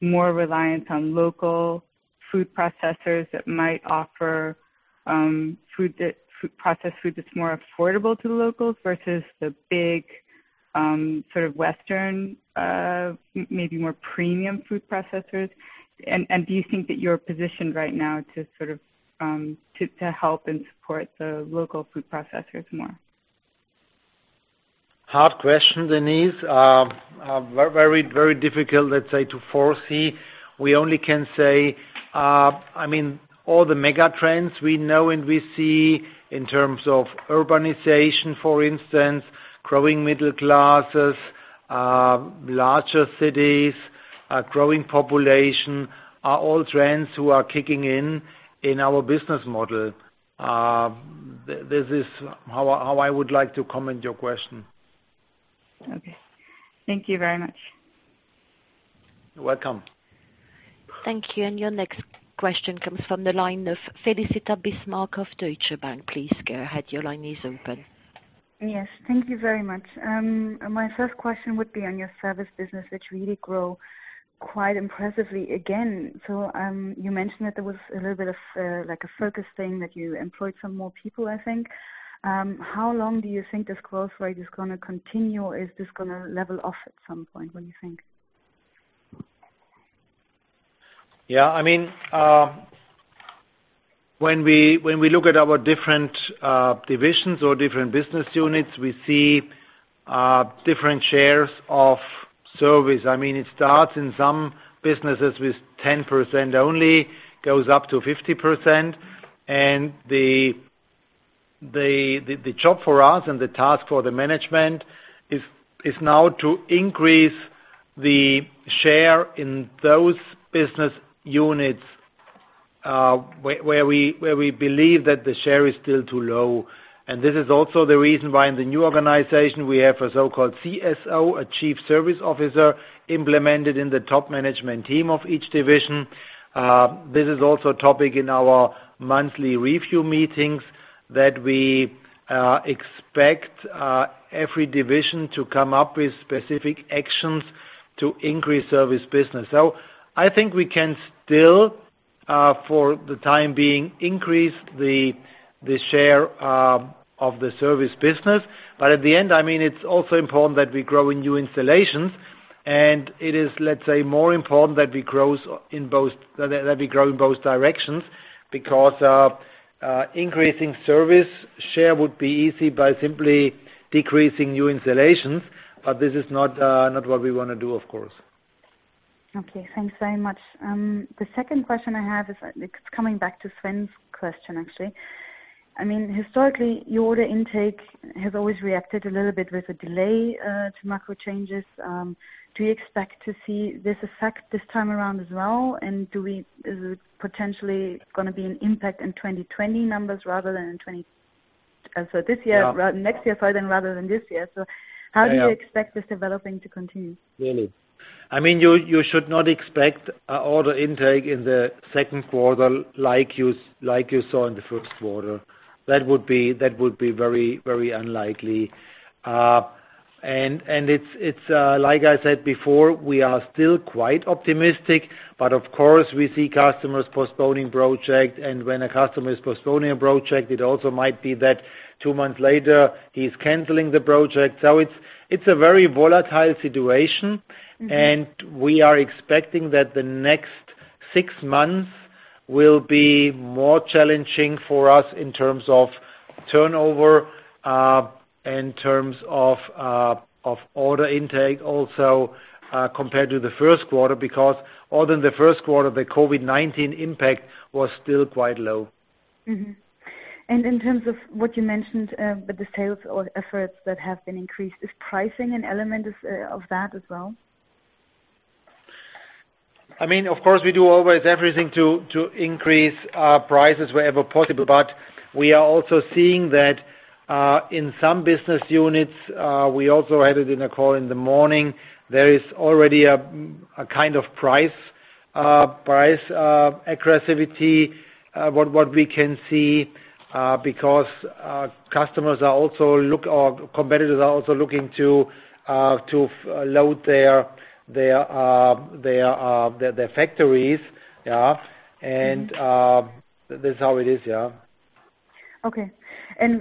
more reliance on local food processors that might offer processed food that's more affordable to the locals versus the big Western maybe more premium food processors? Do you think that you're positioned right now to help and support the local food processors more? Hard question, Denise. Very difficult, let's say, to foresee. We only can say all the mega trends we know and we see in terms of urbanization, for instance, growing middle classes, larger cities, growing population, are all trends who are kicking in in our business model. This is how I would like to comment your question. Okay. Thank you very much. You're welcome. Thank you. Your next question comes from the line of Felicita Bismarck of Deutsche Bank. Please go ahead. Your line is open. Yes. Thank you very much. My first question would be on your service business, which really grow quite impressively again. You mentioned that there was a little bit of a focus thing that you employed some more people, I think. How long do you think this growth rate is going to continue? Is this going to level off at some point? What do you think? When we look at our different divisions or different business units, we see different shares of service. It starts in some businesses with 10% only, goes up to 50%. The job for us and the task for the management is now to increase the share in those business units, where we believe that the share is still too low. This is also the reason why in the new organization, we have a so-called CSO, a Chief Service Officer, implemented in the top management team of each division. This is also a topic in our monthly review meetings that we expect every division to come up with specific actions to increase service business. I think we can still, for the time being, increase the share of the service business. At the end, it's also important that we grow in new installations, and it is, let's say, more important that we grow in both directions because increasing service share would be easy by simply decreasing new installations. This is not what we want to do, of course. Okay. Thanks very much. The second question I have is, it's coming back to Sven's question, actually. Historically, your order intake has always reacted a little bit with a delay to macro changes. Do you expect to see this effect this time around as well, and is it potentially going to be an impact in 2020 numbers rather than in 2021? Next year, pardon, rather than this year. How do you expect this developing to continue? Really. You should not expect order intake in the second quarter like you saw in the first quarter. That would be very unlikely. It's like I said before, we are still quite optimistic, but of course, we see customers postponing projects, and when a customer is postponing a project, it also might be that two months later he's canceling the project. It's a very volatile situation. We are expecting that the next 6 months will be more challenging for us in terms of turnover, in terms of order intake also compared to the first quarter, because order in the first quarter, the COVID-19 impact was still quite low. Mm-hmm. In terms of what you mentioned with the sales or efforts that have been increased, is pricing an element of that as well? Of course, we do always everything to increase our prices wherever possible. We are also seeing that in some business units, we also had it in a call in the morning. There is already a kind of price aggressivity, what we can see, because competitors are also looking to load their factories. This is how it is, yeah. Okay.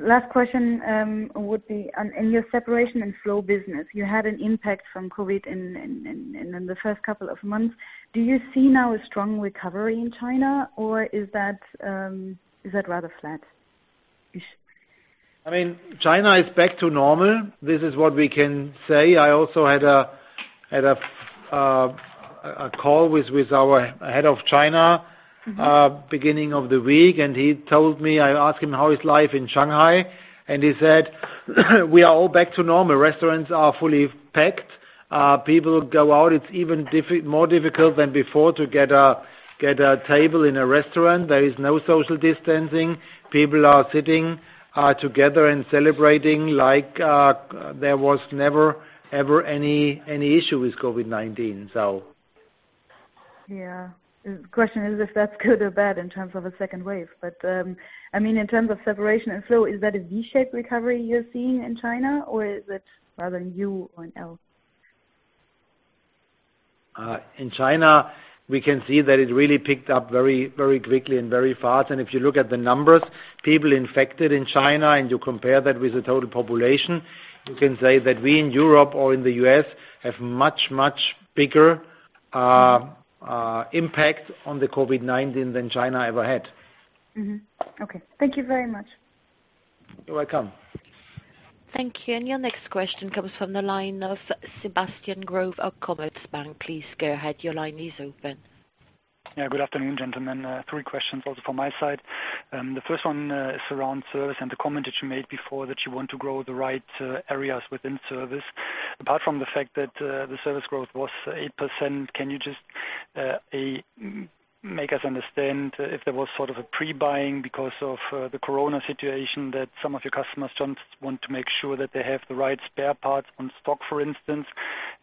Last question would be in your Separation & Flow business, you had an impact from COVID-19 in the first couple of months. Do you see now a strong recovery in China, or is that rather flat-ish? China is back to normal. This is what we can say. I also had a call with our head of China. beginning of the week, he told me. I asked him how is life in Shanghai, he said, "We are all back to normal. Restaurants are fully packed. People go out. It's even more difficult than before to get a table in a restaurant. There is no social distancing. People are sitting together and celebrating like there was never, ever any issue with COVID-19. Yeah. The question is if that's good or bad in terms of a second wave. In terms of Separation and Flow, is that a V-shaped recovery you're seeing in China, or is it rather a U or an L? In China, we can see that it really picked up very quickly and very fast. If you look at the numbers, people infected in China, and you compare that with the total population, you can say that we in Europe or in the U.S. have much, much bigger impact on the COVID-19 than China ever had. Mm-hmm. Okay. Thank you very much. You're welcome. Thank you. Your next question comes from the line of Sebastian Growe of Commerzbank. Please go ahead. Your line is open. Yeah, good afternoon, gentlemen. Three questions also from my side. The first one is around service and the comment that you made before that you want to grow the right areas within service. Apart from the fact that the service growth was 8%, can you just, A, make us understand if there was sort of a pre-buying because of the corona situation, that some of your customers just want to make sure that they have the right spare parts on stock, for instance?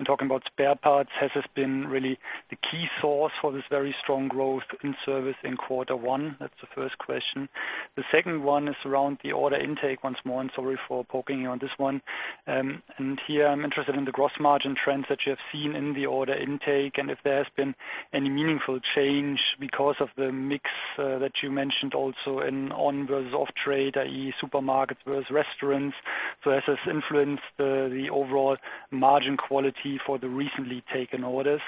Talking about spare parts, has this been really the key source for this very strong growth in service in quarter one? That's the first question. The second one is around the order intake once more, and sorry for poking you on this one. Here I'm interested in the gross margin trends that you have seen in the order intake and if there has been any meaningful change because of the mix that you mentioned also in on versus off trade, i.e., supermarkets versus restaurants. Has this influenced the overall margin quality for the recently taken orders?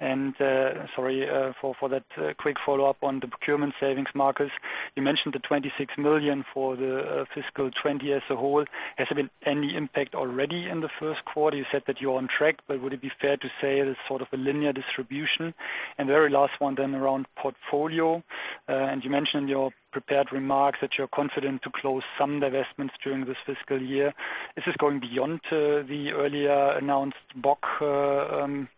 Sorry, for that quick follow-up on the procurement savings, Marcus. You mentioned the 26 million for the fiscal 2020 as a whole. Has there been any impact already in the first quarter? You said that you're on track, but would it be fair to say it is sort of a linear distribution? The very last one then around portfolio. You mentioned in your prepared remarks that you're confident to close some divestments during this fiscal year. Is this going beyond the earlier announced Bock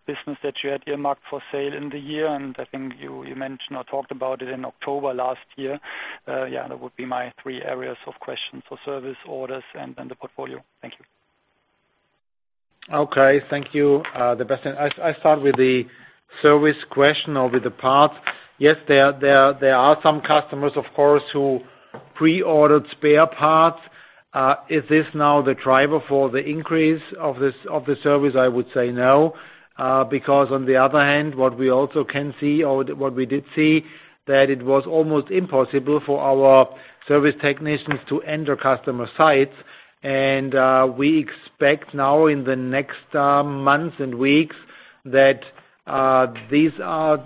business that you had earmarked for sale in the year? I think you mentioned or talked about it in October last year. Yeah, that would be my three areas of question. Service, orders, and then the portfolio. Thank you. Okay. Thank you, Sebastian. I start with the service question or with the parts. Yes, there are some customers, of course, who pre-ordered spare parts. Is this now the driver for the increase of the service? I would say no. On the other hand, what we also can see or what we did see, that it was almost impossible for our service technicians to enter customer sites. We expect now in the next months and weeks that these are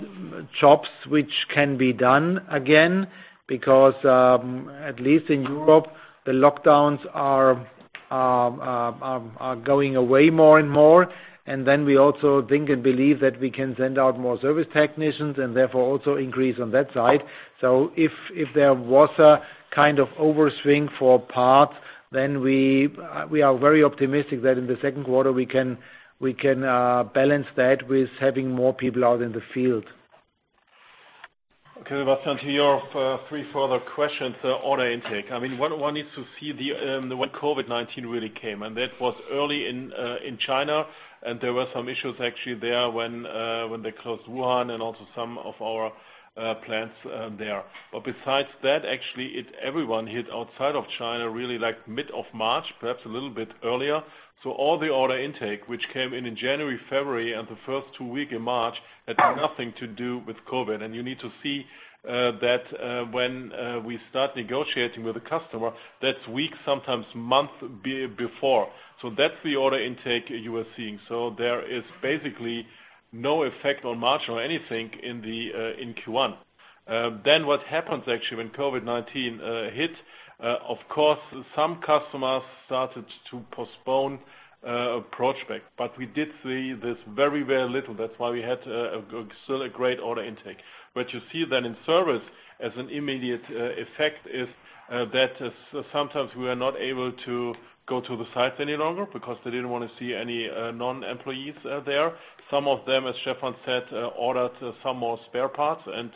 jobs which can be done again because, at least in Europe, the lockdowns are going away more and more. Then we also think and believe that we can send out more service technicians and therefore also increase on that side. If there was a kind of overswing for parts, then we are very optimistic that in the second quarter we can balance that with having more people out in the field. Okay, Sebastian, to you. Three further questions. Order intake. One needs to see when COVID-19 really came. That was early in China, there were some issues actually there when they closed Wuhan and also some of our plants there. Besides that, actually everyone hit outside of China really mid of March, perhaps a little bit earlier. All the order intake which came in in January, February, and the first two week in March had nothing to do with COVID. You need to see that when we start negotiating with a customer, that's weeks, sometimes months, before. That's the order intake you are seeing. There is basically no effect on March or anything in Q1. What happens actually when COVID-19 hit, of course, some customers started to postpone projects. We did see this very, very little. That's why we had still a great order intake. What you see in service as an immediate effect is that sometimes we are not able to go to the sites any longer because they didn't want to see any non-employees there. Some of them, as Stefan said, ordered some more spare parts and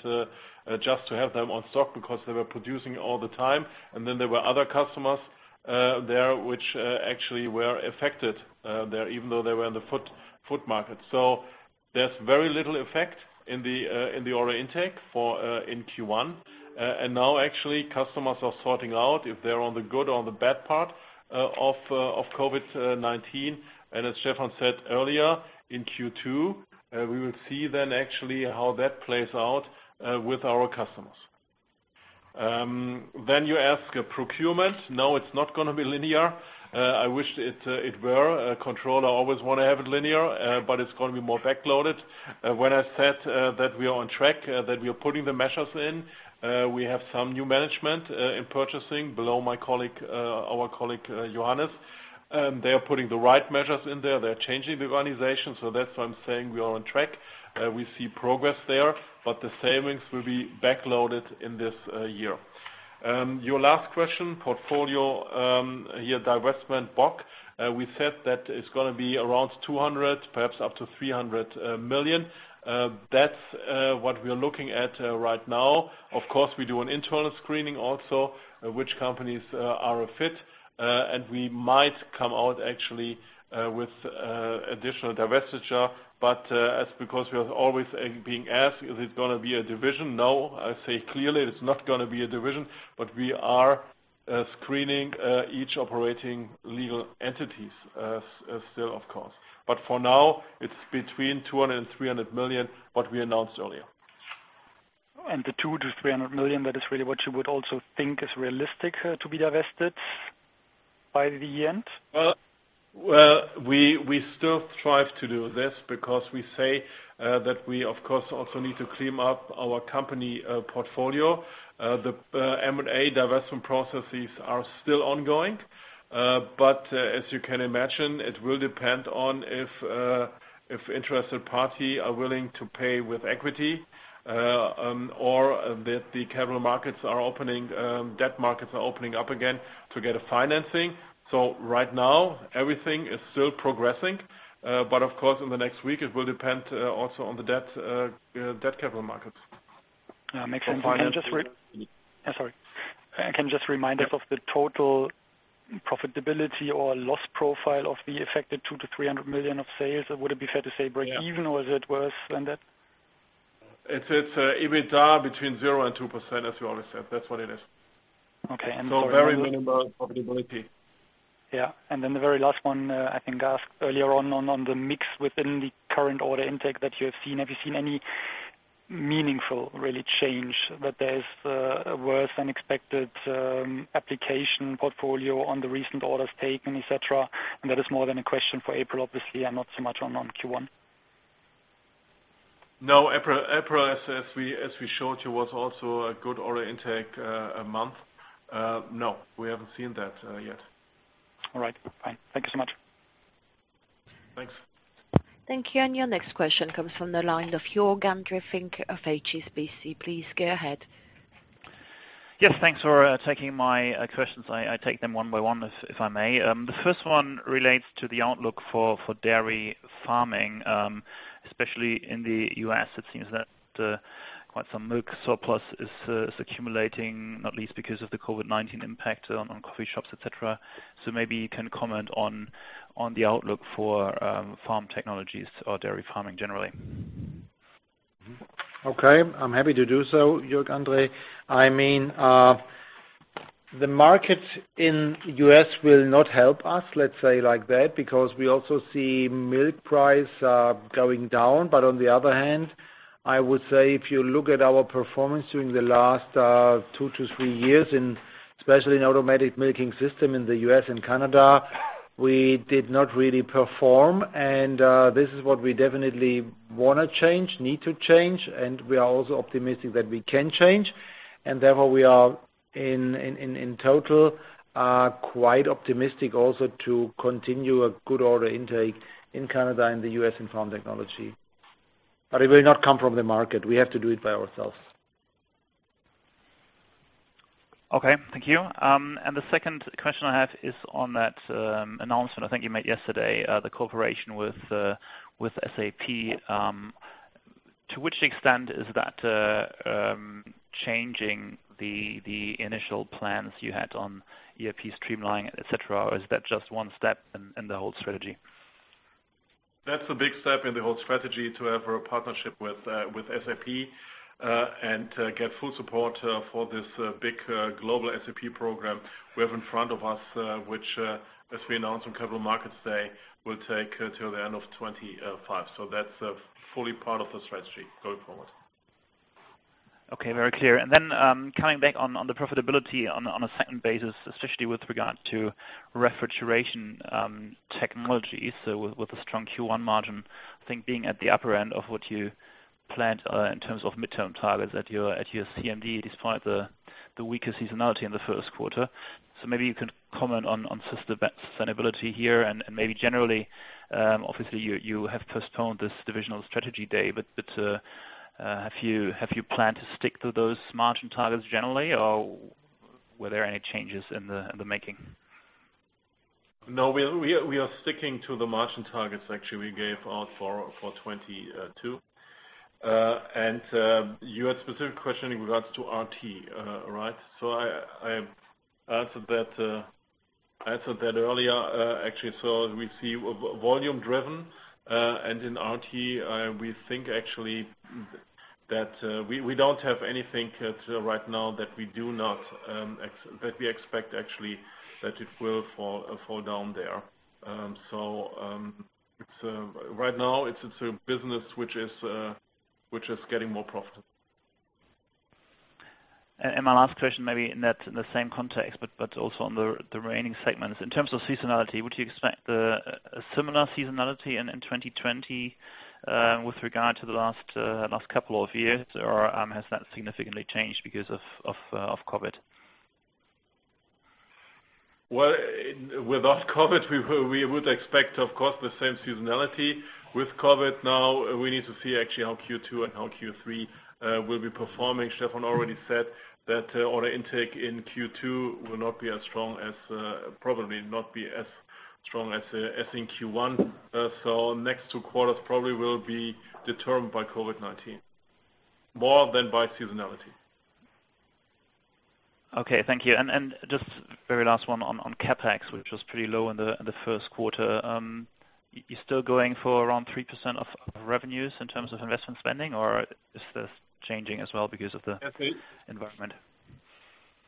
just to have them on stock because they were producing all the time. There were other customers there which actually were affected there, even though they were in the food market. There's very little effect in the order intake in Q1. Now actually customers are sorting out if they're on the good or on the bad part of COVID-19. As Stefan said earlier, in Q2, we will see then actually how that plays out with our customers. You ask procurement. No, it's not going to be linear. I wish it were. A controller always want to have it linear, but it's going to be more back-loaded. I said that we are on track, that we are putting the measures in, we have some new management in purchasing below our colleague, Johannes. They are putting the right measures in there. They're changing the organization. That's why I'm saying we are on track. We see progress there, the savings will be back-loaded in this year. Your last question, portfolio, here divestment Bock. We said that it's going to be around 200, perhaps up to 300 million. That's what we are looking at right now. Of course, we do an internal screening also, which companies are a fit. We might come out actually with additional divestiture. As because we are always being asked, is it going to be a division? No. I say clearly it is not going to be a division, but we are Screening each operating legal entities still, of course. For now, it's between 200 million and 300 million, what we announced earlier. The 200 million-300 million, that is really what you would also think is realistic to be divested by the end? Well, we still strive to do this because we say that we, of course, also need to clean up our company portfolio. The M&A divestment processes are still ongoing. As you can imagine, it will depend on if interested party are willing to pay with equity or that the capital markets are opening, debt markets are opening up again to get a financing. Right now, everything is still progressing. Of course, in the next week, it will depend also on the debt capital markets. Makes sense. Sorry. Can you just remind us of the total profitability or loss profile of the affected 200 million-300 million of sales? Would it be fair to say breakeven, or is it worse than that? It's EBITDA between 0 and 2%, as we always said. That's what it is. Okay. Very minimal profitability. Then the very last one, I think I asked earlier on the mix within the current order intake that you have seen. Have you seen any meaningful, really, change that there is a worse than expected application portfolio on the recent orders taken, et cetera? That is more than a question for April, obviously, and not so much on Q1. April, as we showed you, was also a good order intake month. We haven't seen that yet. All right. Fine. Thank you so much. Thanks. Thank you. Your next question comes from the line of Jörg-André Finke of HSBC. Please go ahead. Yes, thanks for taking my questions. I take them one by one, if I may. The first one relates to the outlook for dairy farming, especially in the U.S. It seems that quite some milk surplus is accumulating, not least because of the COVID-19 impact on coffee shops, et cetera. Maybe you can comment on the outlook for Farm Technologies or dairy farming generally. Okay. I'm happy to do so, Jörg-André. The market in U.S. will not help us, let's say like that, because we also see milk price going down. On the other hand, I would say if you look at our performance during the last two to three years, especially in automatic milking system in the U.S. and Canada, we did not really perform. This is what we definitely want to change, need to change, and we are also optimistic that we can change. Therefore, we are, in total, quite optimistic also to continue a good order intake in Canada and the U.S. in Farm Technologies. It will not come from the market. We have to do it by ourselves. Okay, thank you. The second question I have is on that announcement I think you made yesterday, the cooperation with SAP. To which extent is that changing the initial plans you had on ERP streamlining, et cetera? Is that just one step in the whole strategy? That's a big step in the whole strategy to have a partnership with SAP and get full support for this big global SAP program we have in front of us, which, as we announced on Capital Markets Day, will take till the end of 2025. That's fully part of the strategy going forward. Okay, very clear. Coming back on the profitability on a second basis, especially with regard to Refrigeration Technologies with a strong Q1 margin, I think being at the upper end of what you planned in terms of midterm targets at your CMD, despite the weaker seasonality in the first quarter. Maybe you can comment on just the sustainability here and maybe generally. Obviously, you have postponed this Divisional Strategy Day, but have you planned to stick to those margin targets generally, or were there any changes in the making? We are sticking to the margin targets actually we gave out for 2022. You had specific question in regards to RT, right? I answered that earlier, actually. We see volume driven, and in RT, we think actually that we don't have anything right now that we expect actually that it will fall down there. Right now, it's a business which is getting more profitable. My last question maybe in the same context, but also on the remaining segments. In terms of seasonality, would you expect a similar seasonality in 2020 with regard to the last couple of years, or has that significantly changed because of COVID-19? Well, without COVID, we would expect, of course, the same seasonality. With COVID now, we need to see actually how Q2 and how Q3 will be performing. Stefan already said that order intake in Q2 will probably not be as strong as in Q1. Next two quarters probably will be determined by COVID-19 more than by seasonality. Okay, thank you. Just very last one on CapEx, which was pretty low in the first quarter. You're still going for around 3% of revenues in terms of investment spending, or is this changing as well? I think- environment?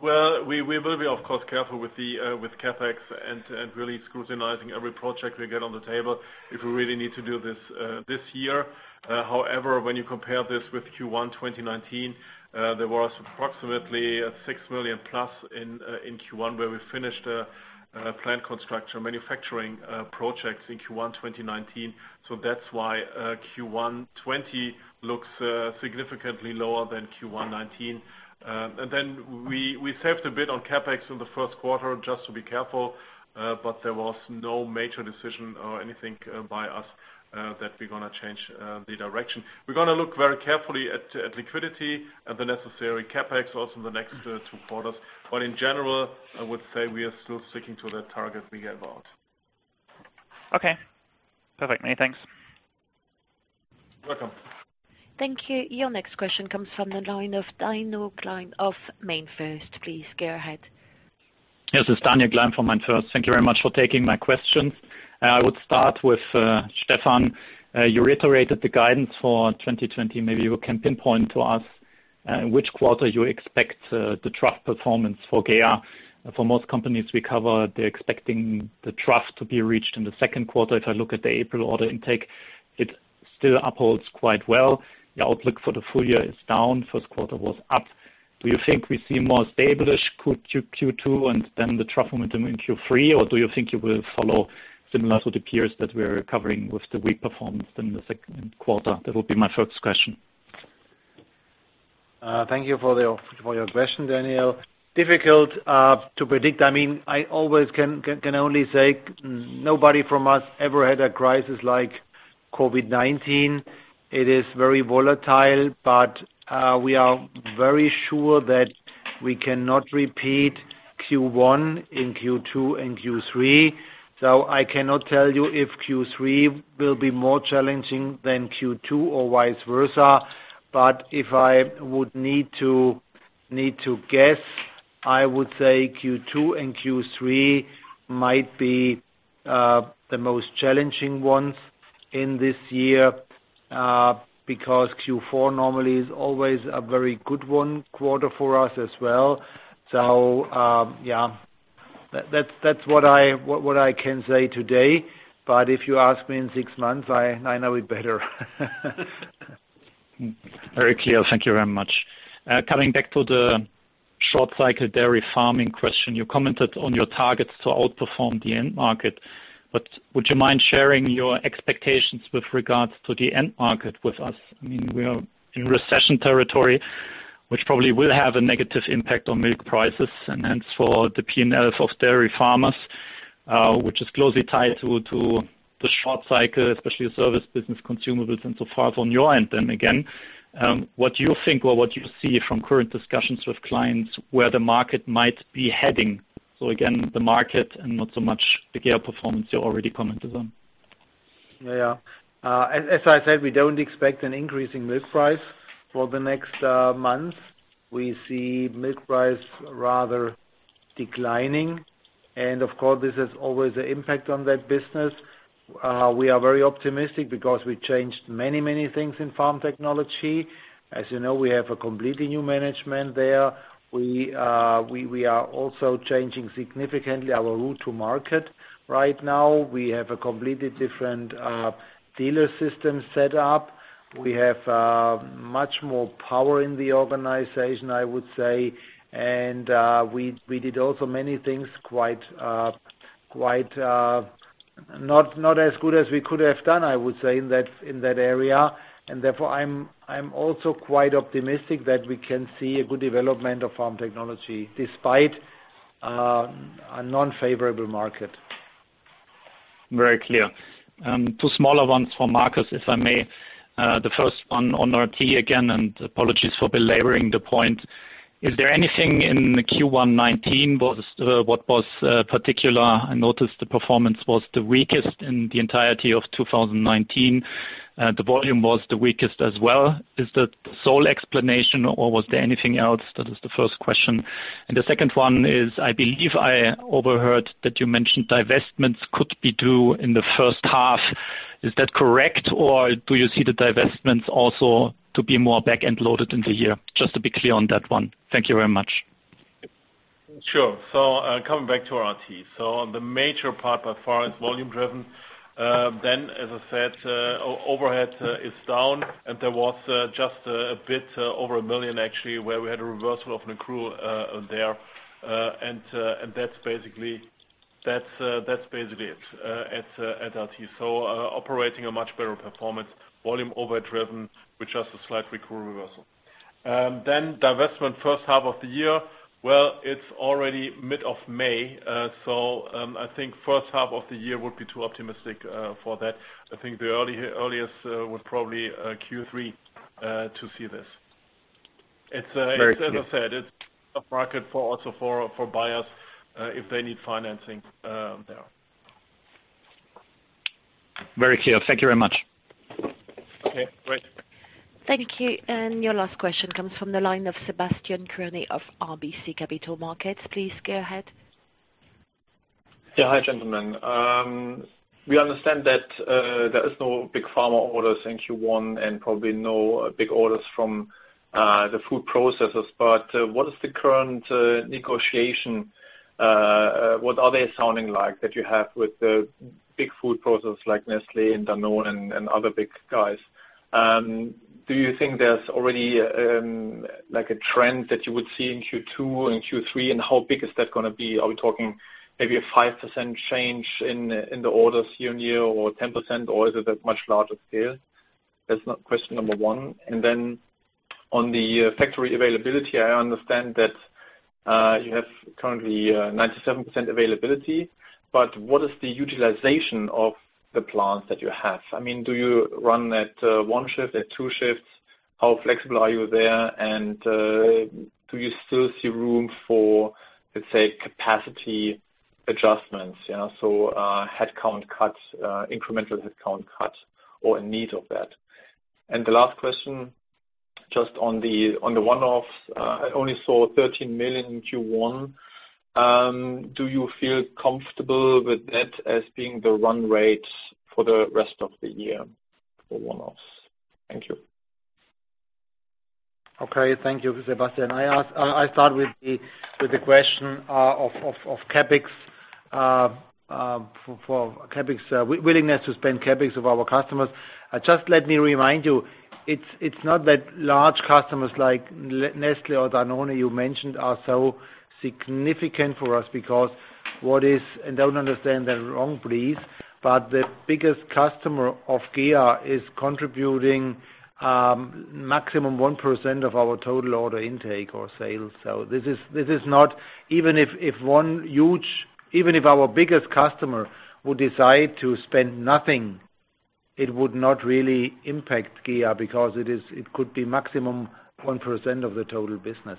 Well, we will be, of course, careful with CapEx and really scrutinizing every project we get on the table if we really need to do this this year. When you compare this with Q1 2019, there was approximately 6 million plus in Q1, where we finished a plant construction manufacturing project in Q1 2019. That's why Q1 '20 looks significantly lower than Q1 '19. We saved a bit on CapEx in the first quarter, just to be careful. There was no major decision or anything by us that we're going to change the direction. We're going to look very carefully at liquidity and the necessary CapEx also in the next two quarters. In general, I would say we are still sticking to the target we gave out. Okay, perfect. Many thanks. Welcome. Thank you. Your next question comes from the line of Daniel Gleim of MainFirst. Please go ahead. Yes, this is Daniel Gleim from MainFirst. Thank you very much for taking my questions. I would start with Stefan. You reiterated the guidance for 2020. Maybe you can pinpoint to us which quarter you expect the trough performance for GEA. For most companies we cover, they're expecting the trough to be reached in the second quarter. If I look at the April order intake, it still upholds quite well. The outlook for the full year is down. First quarter was up. Do you think we see more stable-ish Q2, and then the trough momentum in Q3? Do you think it will follow similar to the peers that we're covering with the weak performance in the second quarter? That will be my first question. Thank you for your question, Daniela. Difficult to predict. I always can only say nobody from us ever had a crisis like COVID-19. It is very volatile. We are very sure that we cannot repeat Q1 in Q2 and Q3. I cannot tell you if Q3 will be more challenging than Q2 or vice versa. If I would need to guess, I would say Q2 and Q3 might be the most challenging ones in this year, because Q4 normally is always a very good one quarter for us as well. Yeah. That's what I can say today. If you ask me in six months, I know it better. Very clear. Thank you very much. Coming back to the short cycle dairy farming question. You commented on your targets to outperform the end market, but would you mind sharing your expectations with regards to the end market with us? We are in recession territory, which probably will have a negative impact on milk prices, and hence for the P&Ls of dairy farmers, which is closely tied to the short cycle, especially the service business, consumables and so forth on your end, then again. What do you think or what do you see from current discussions with clients, where the market might be heading? Again, the market and not so much the GEA performance, you already commented on. Yeah. As I said, we don't expect an increase in milk price for the next months. We see milk price rather declining. Of course, this has always an impact on that business. We are very optimistic because we changed many things in Farm Technology. As you know, we have a completely new management there. We are also changing significantly our route to market right now. We have a completely different dealer system set up. We have much more power in the organization, I would say. We did also many things not as good as we could have done, I would say, in that area. Therefore, I'm also quite optimistic that we can see a good development of Farm Technology despite a non-favorable market. Very clear. Two smaller ones for Marcus, if I may. The first one on RT again, apologies for belaboring the point. Is there anything in the Q1 2019 what was particular? I noticed the performance was the weakest in the entirety of 2019. The volume was the weakest as well. Is that the sole explanation or was there anything else? That is the first question. The second one is, I believe I overheard that you mentioned divestments could be due in the first half. Is that correct, or do you see the divestments also to be more back-end loaded into here? Just to be clear on that one. Thank you very much. Sure. Coming back to RT. The major part by far is volume driven. As I said, overhead is down, and there was just a bit over 1 million actually, where we had a reversal of an accrual there. That's basically it at RT. Operating a much better performance, volume over driven with just a slight accrual reversal. Divestment first half of the year. Well, it's already mid of May. I think first half of the year would be too optimistic for that. I think the earliest would probably Q3 to see this. Very clear. As I said, it's a market also for buyers, if they need financing there. Very clear. Thank you very much. Okay, great. Thank you. Your last question comes from the line of Sebastian Kuenne of RBC Capital Markets. Please go ahead. Yeah. Hi, gentlemen. We understand that there is no big pharma orders in Q1 and probably no big orders from the food processors. What is the current negotiation? What are they sounding like that you have with the big food processors like Nestlé and Danone and other big guys? Do you think there's already a trend that you would see in Q2 and Q3? How big is that going to be? Are we talking maybe a 5% change in the orders year-on-year, or 10%? Is it a much larger scale? That's question number one. On the factory availability, I understand that you have currently 97% availability. What is the utilization of the plants that you have? I mean, do you run at one shift, at two shifts? How flexible are you there? Do you still see room for, let's say, capacity adjustments? headcount cuts, incremental headcount cuts or a need of that. The last question, just on the one-offs, I only saw 13 million in Q1. Do you feel comfortable with that as being the run rate for the rest of the year for one-offs? Thank you. Okay. Thank you, Sebastian. I start with the question of CapEx. For willingness to spend CapEx of our customers. Just let me remind you, it's not that large customers like Nestlé or Danone you mentioned are so significant for us because what is, and don't understand that wrong, please, but the biggest customer of GEA is contributing maximum 1% of our total order intake or sales. Even if our biggest customer would decide to spend nothing, it would not really impact GEA because it could be maximum 1% of the total business.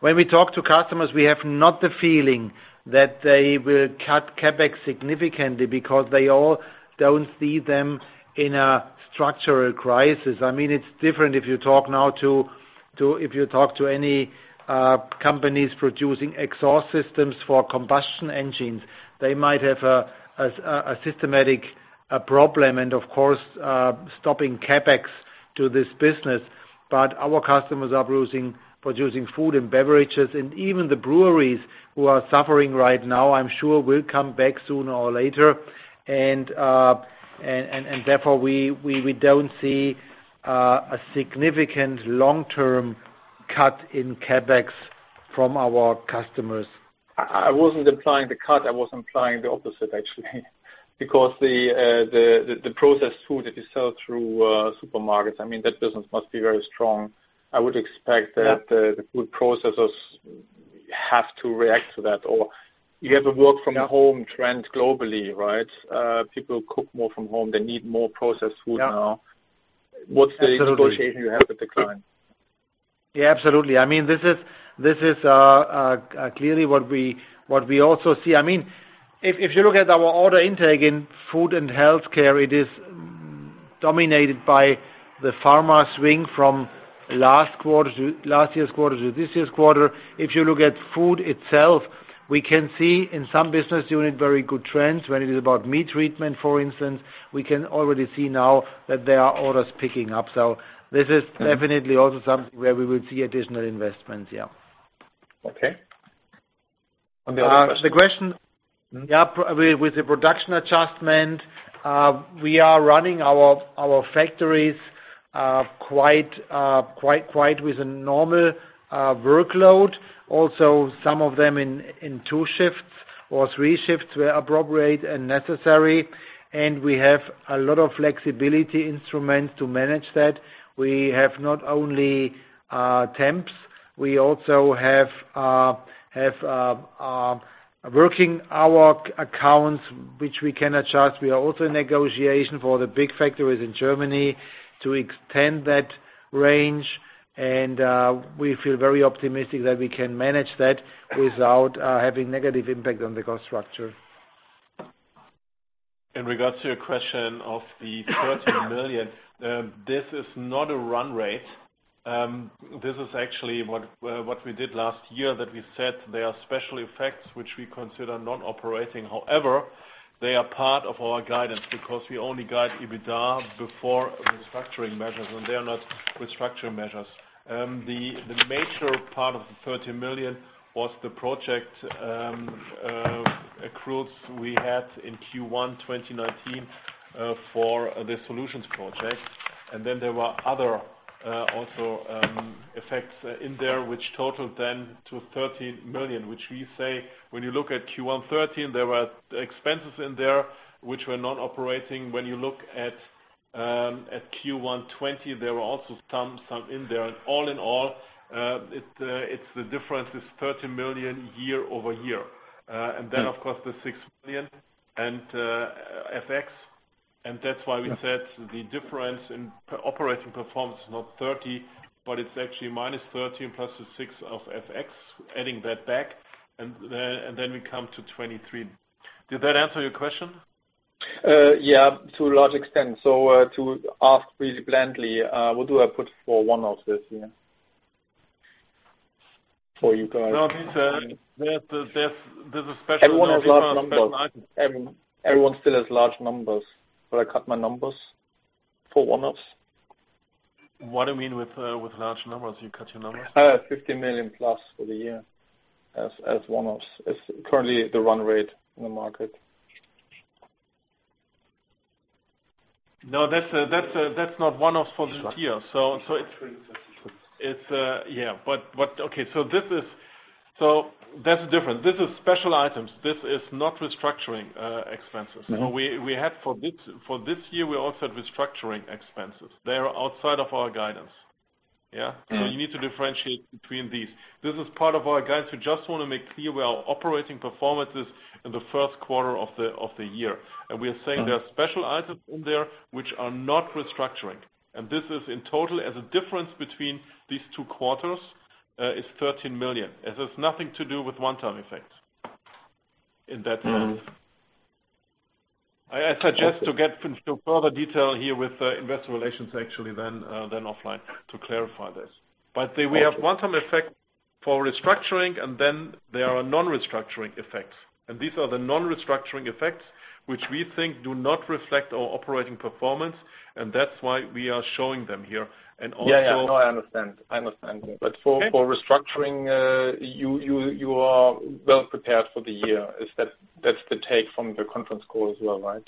When we talk to customers, we have not the feeling that they will cut CapEx significantly because they all don't see them in a structural crisis. It's different if you talk now to any companies producing exhaust systems for combustion engines. They might have a systematic problem and, of course, stopping CapEx to this business. Our customers are producing food and beverages, and even the breweries who are suffering right now, I'm sure will come back sooner or later. Therefore, we don't see a significant long-term cut in CapEx from our customers. I wasn't implying the cut. I was implying the opposite actually because the processed food that you sell through supermarkets, I mean, that business must be very strong. I would expect that the food processors have to react to that. You have a work-from-home trend globally, right? People cook more from home. They need more processed food now. Yeah. Absolutely. What's the negotiation you have with the client? Yeah, absolutely. This is clearly what we also see. If you look at our order intake in food and healthcare, it is dominated by the pharma swing from last year's quarter to this year's quarter. If you look at food itself, we can see in some business unit very good trends. When it is about meat treatment, for instance, we can already see now that there are orders picking up. This is definitely also something where we will see additional investments, yeah. Okay. The other question? The question, yeah, with the production adjustment, we are running our factories quite with a normal workload. Also, some of them in two shifts or three shifts where appropriate and necessary, and we have a lot of flexibility instruments to manage that. We have not only temps, we also have working hour accounts which we can adjust. We are also in negotiation for the big factories in Germany to extend that range, and we feel very optimistic that we can manage that without having negative impact on the cost structure. In regards to your question of the 13 million. This is not a run rate. This is actually what we did last year that we said there are special effects which we consider non-operating. However, they are part of our guidance because we only guide EBITDA before restructuring measures, and they are not restructuring measures. The major part of the 13 million was the project accruals we had in Q1 2019, for the solutions project. Then there were other also effects in there which totaled then to 13 million. Which we say when you look at Q1 2013, there were expenses in there which were not operating. When you look at Q1 2020, there were also some in there. All in all, the difference is 13 million year-over-year. Then, of course, the 6 million and FX, and that's why we said the difference in operating performance is not 30, but it's actually minus 13 plus the 6 of FX, adding that back, and then we come to 23. Did that answer your question? Yeah, to a large extent. To ask really bluntly, what do I put for one of this year? No, there's a special- Everyone has large numbers. Everyone still has large numbers. I cut my numbers for one-offs. What do you mean with large numbers, you cut your numbers? 50 million plus for the year as one-offs is currently the run rate in the market. No, that's not one-offs for this year. Restructuring. Yeah. That's the difference. This is special items. This is not restructuring expenses. For this year, we also had restructuring expenses. They are outside of our guidance. Yeah? You need to differentiate between these. This is part of our guidance. We just want to make clear where our operating performance is in the first quarter of the year. We are saying there are special items in there which are not restructuring. This is, in total, as a difference between these two quarters, is 13 million. This has nothing to do with one-time effects in that sense. I suggest to get into further detail here with the investor relations, actually, then offline to clarify this. We have one-time effect for restructuring, and then there are non-restructuring effects. These are the non-restructuring effects, which we think do not reflect our operating performance, and that's why we are showing them here. Yeah. No, I understand. Okay. For restructuring, you are well prepared for the year. That's the take from the conference call as well, right?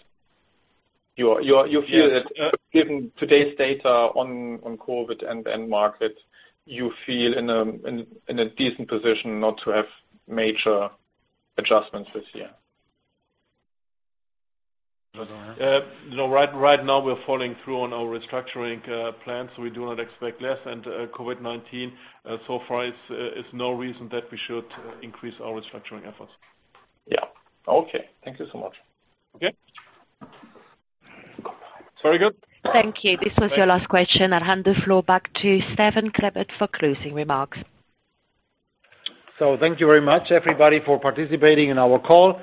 You feel that given today's data on COVID and market, you feel in a decent position not to have major adjustments this year. Right now, we're following through on our restructuring plans. We do not expect less. COVID-19 so far is no reason that we should increase our restructuring efforts. Yeah. Okay. Thank you so much. Okay. Very good. Thank you. This was your last question. I hand the floor back to Stefan Klebert for closing remarks. Thank you very much, everybody, for participating in our call.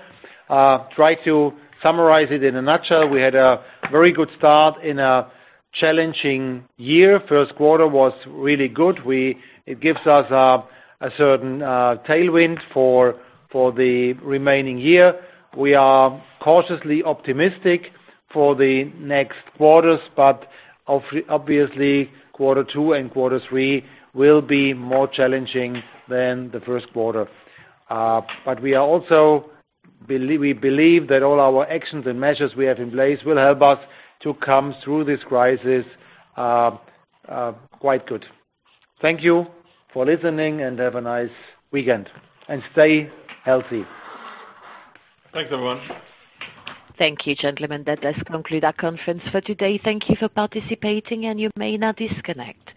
Try to summarize it in a nutshell. We had a very good start in a challenging year. First quarter was really good. It gives us a certain tailwind for the remaining year. We are cautiously optimistic for the next quarters, but obviously quarter two and quarter three will be more challenging than the first quarter. We believe that all our actions and measures we have in place will help us to come through this crisis quite good. Thank you for listening, and have a nice weekend. Stay healthy. Thanks, everyone. Thank you, gentlemen. That does conclude our conference for today. Thank you for participating, and you may now disconnect.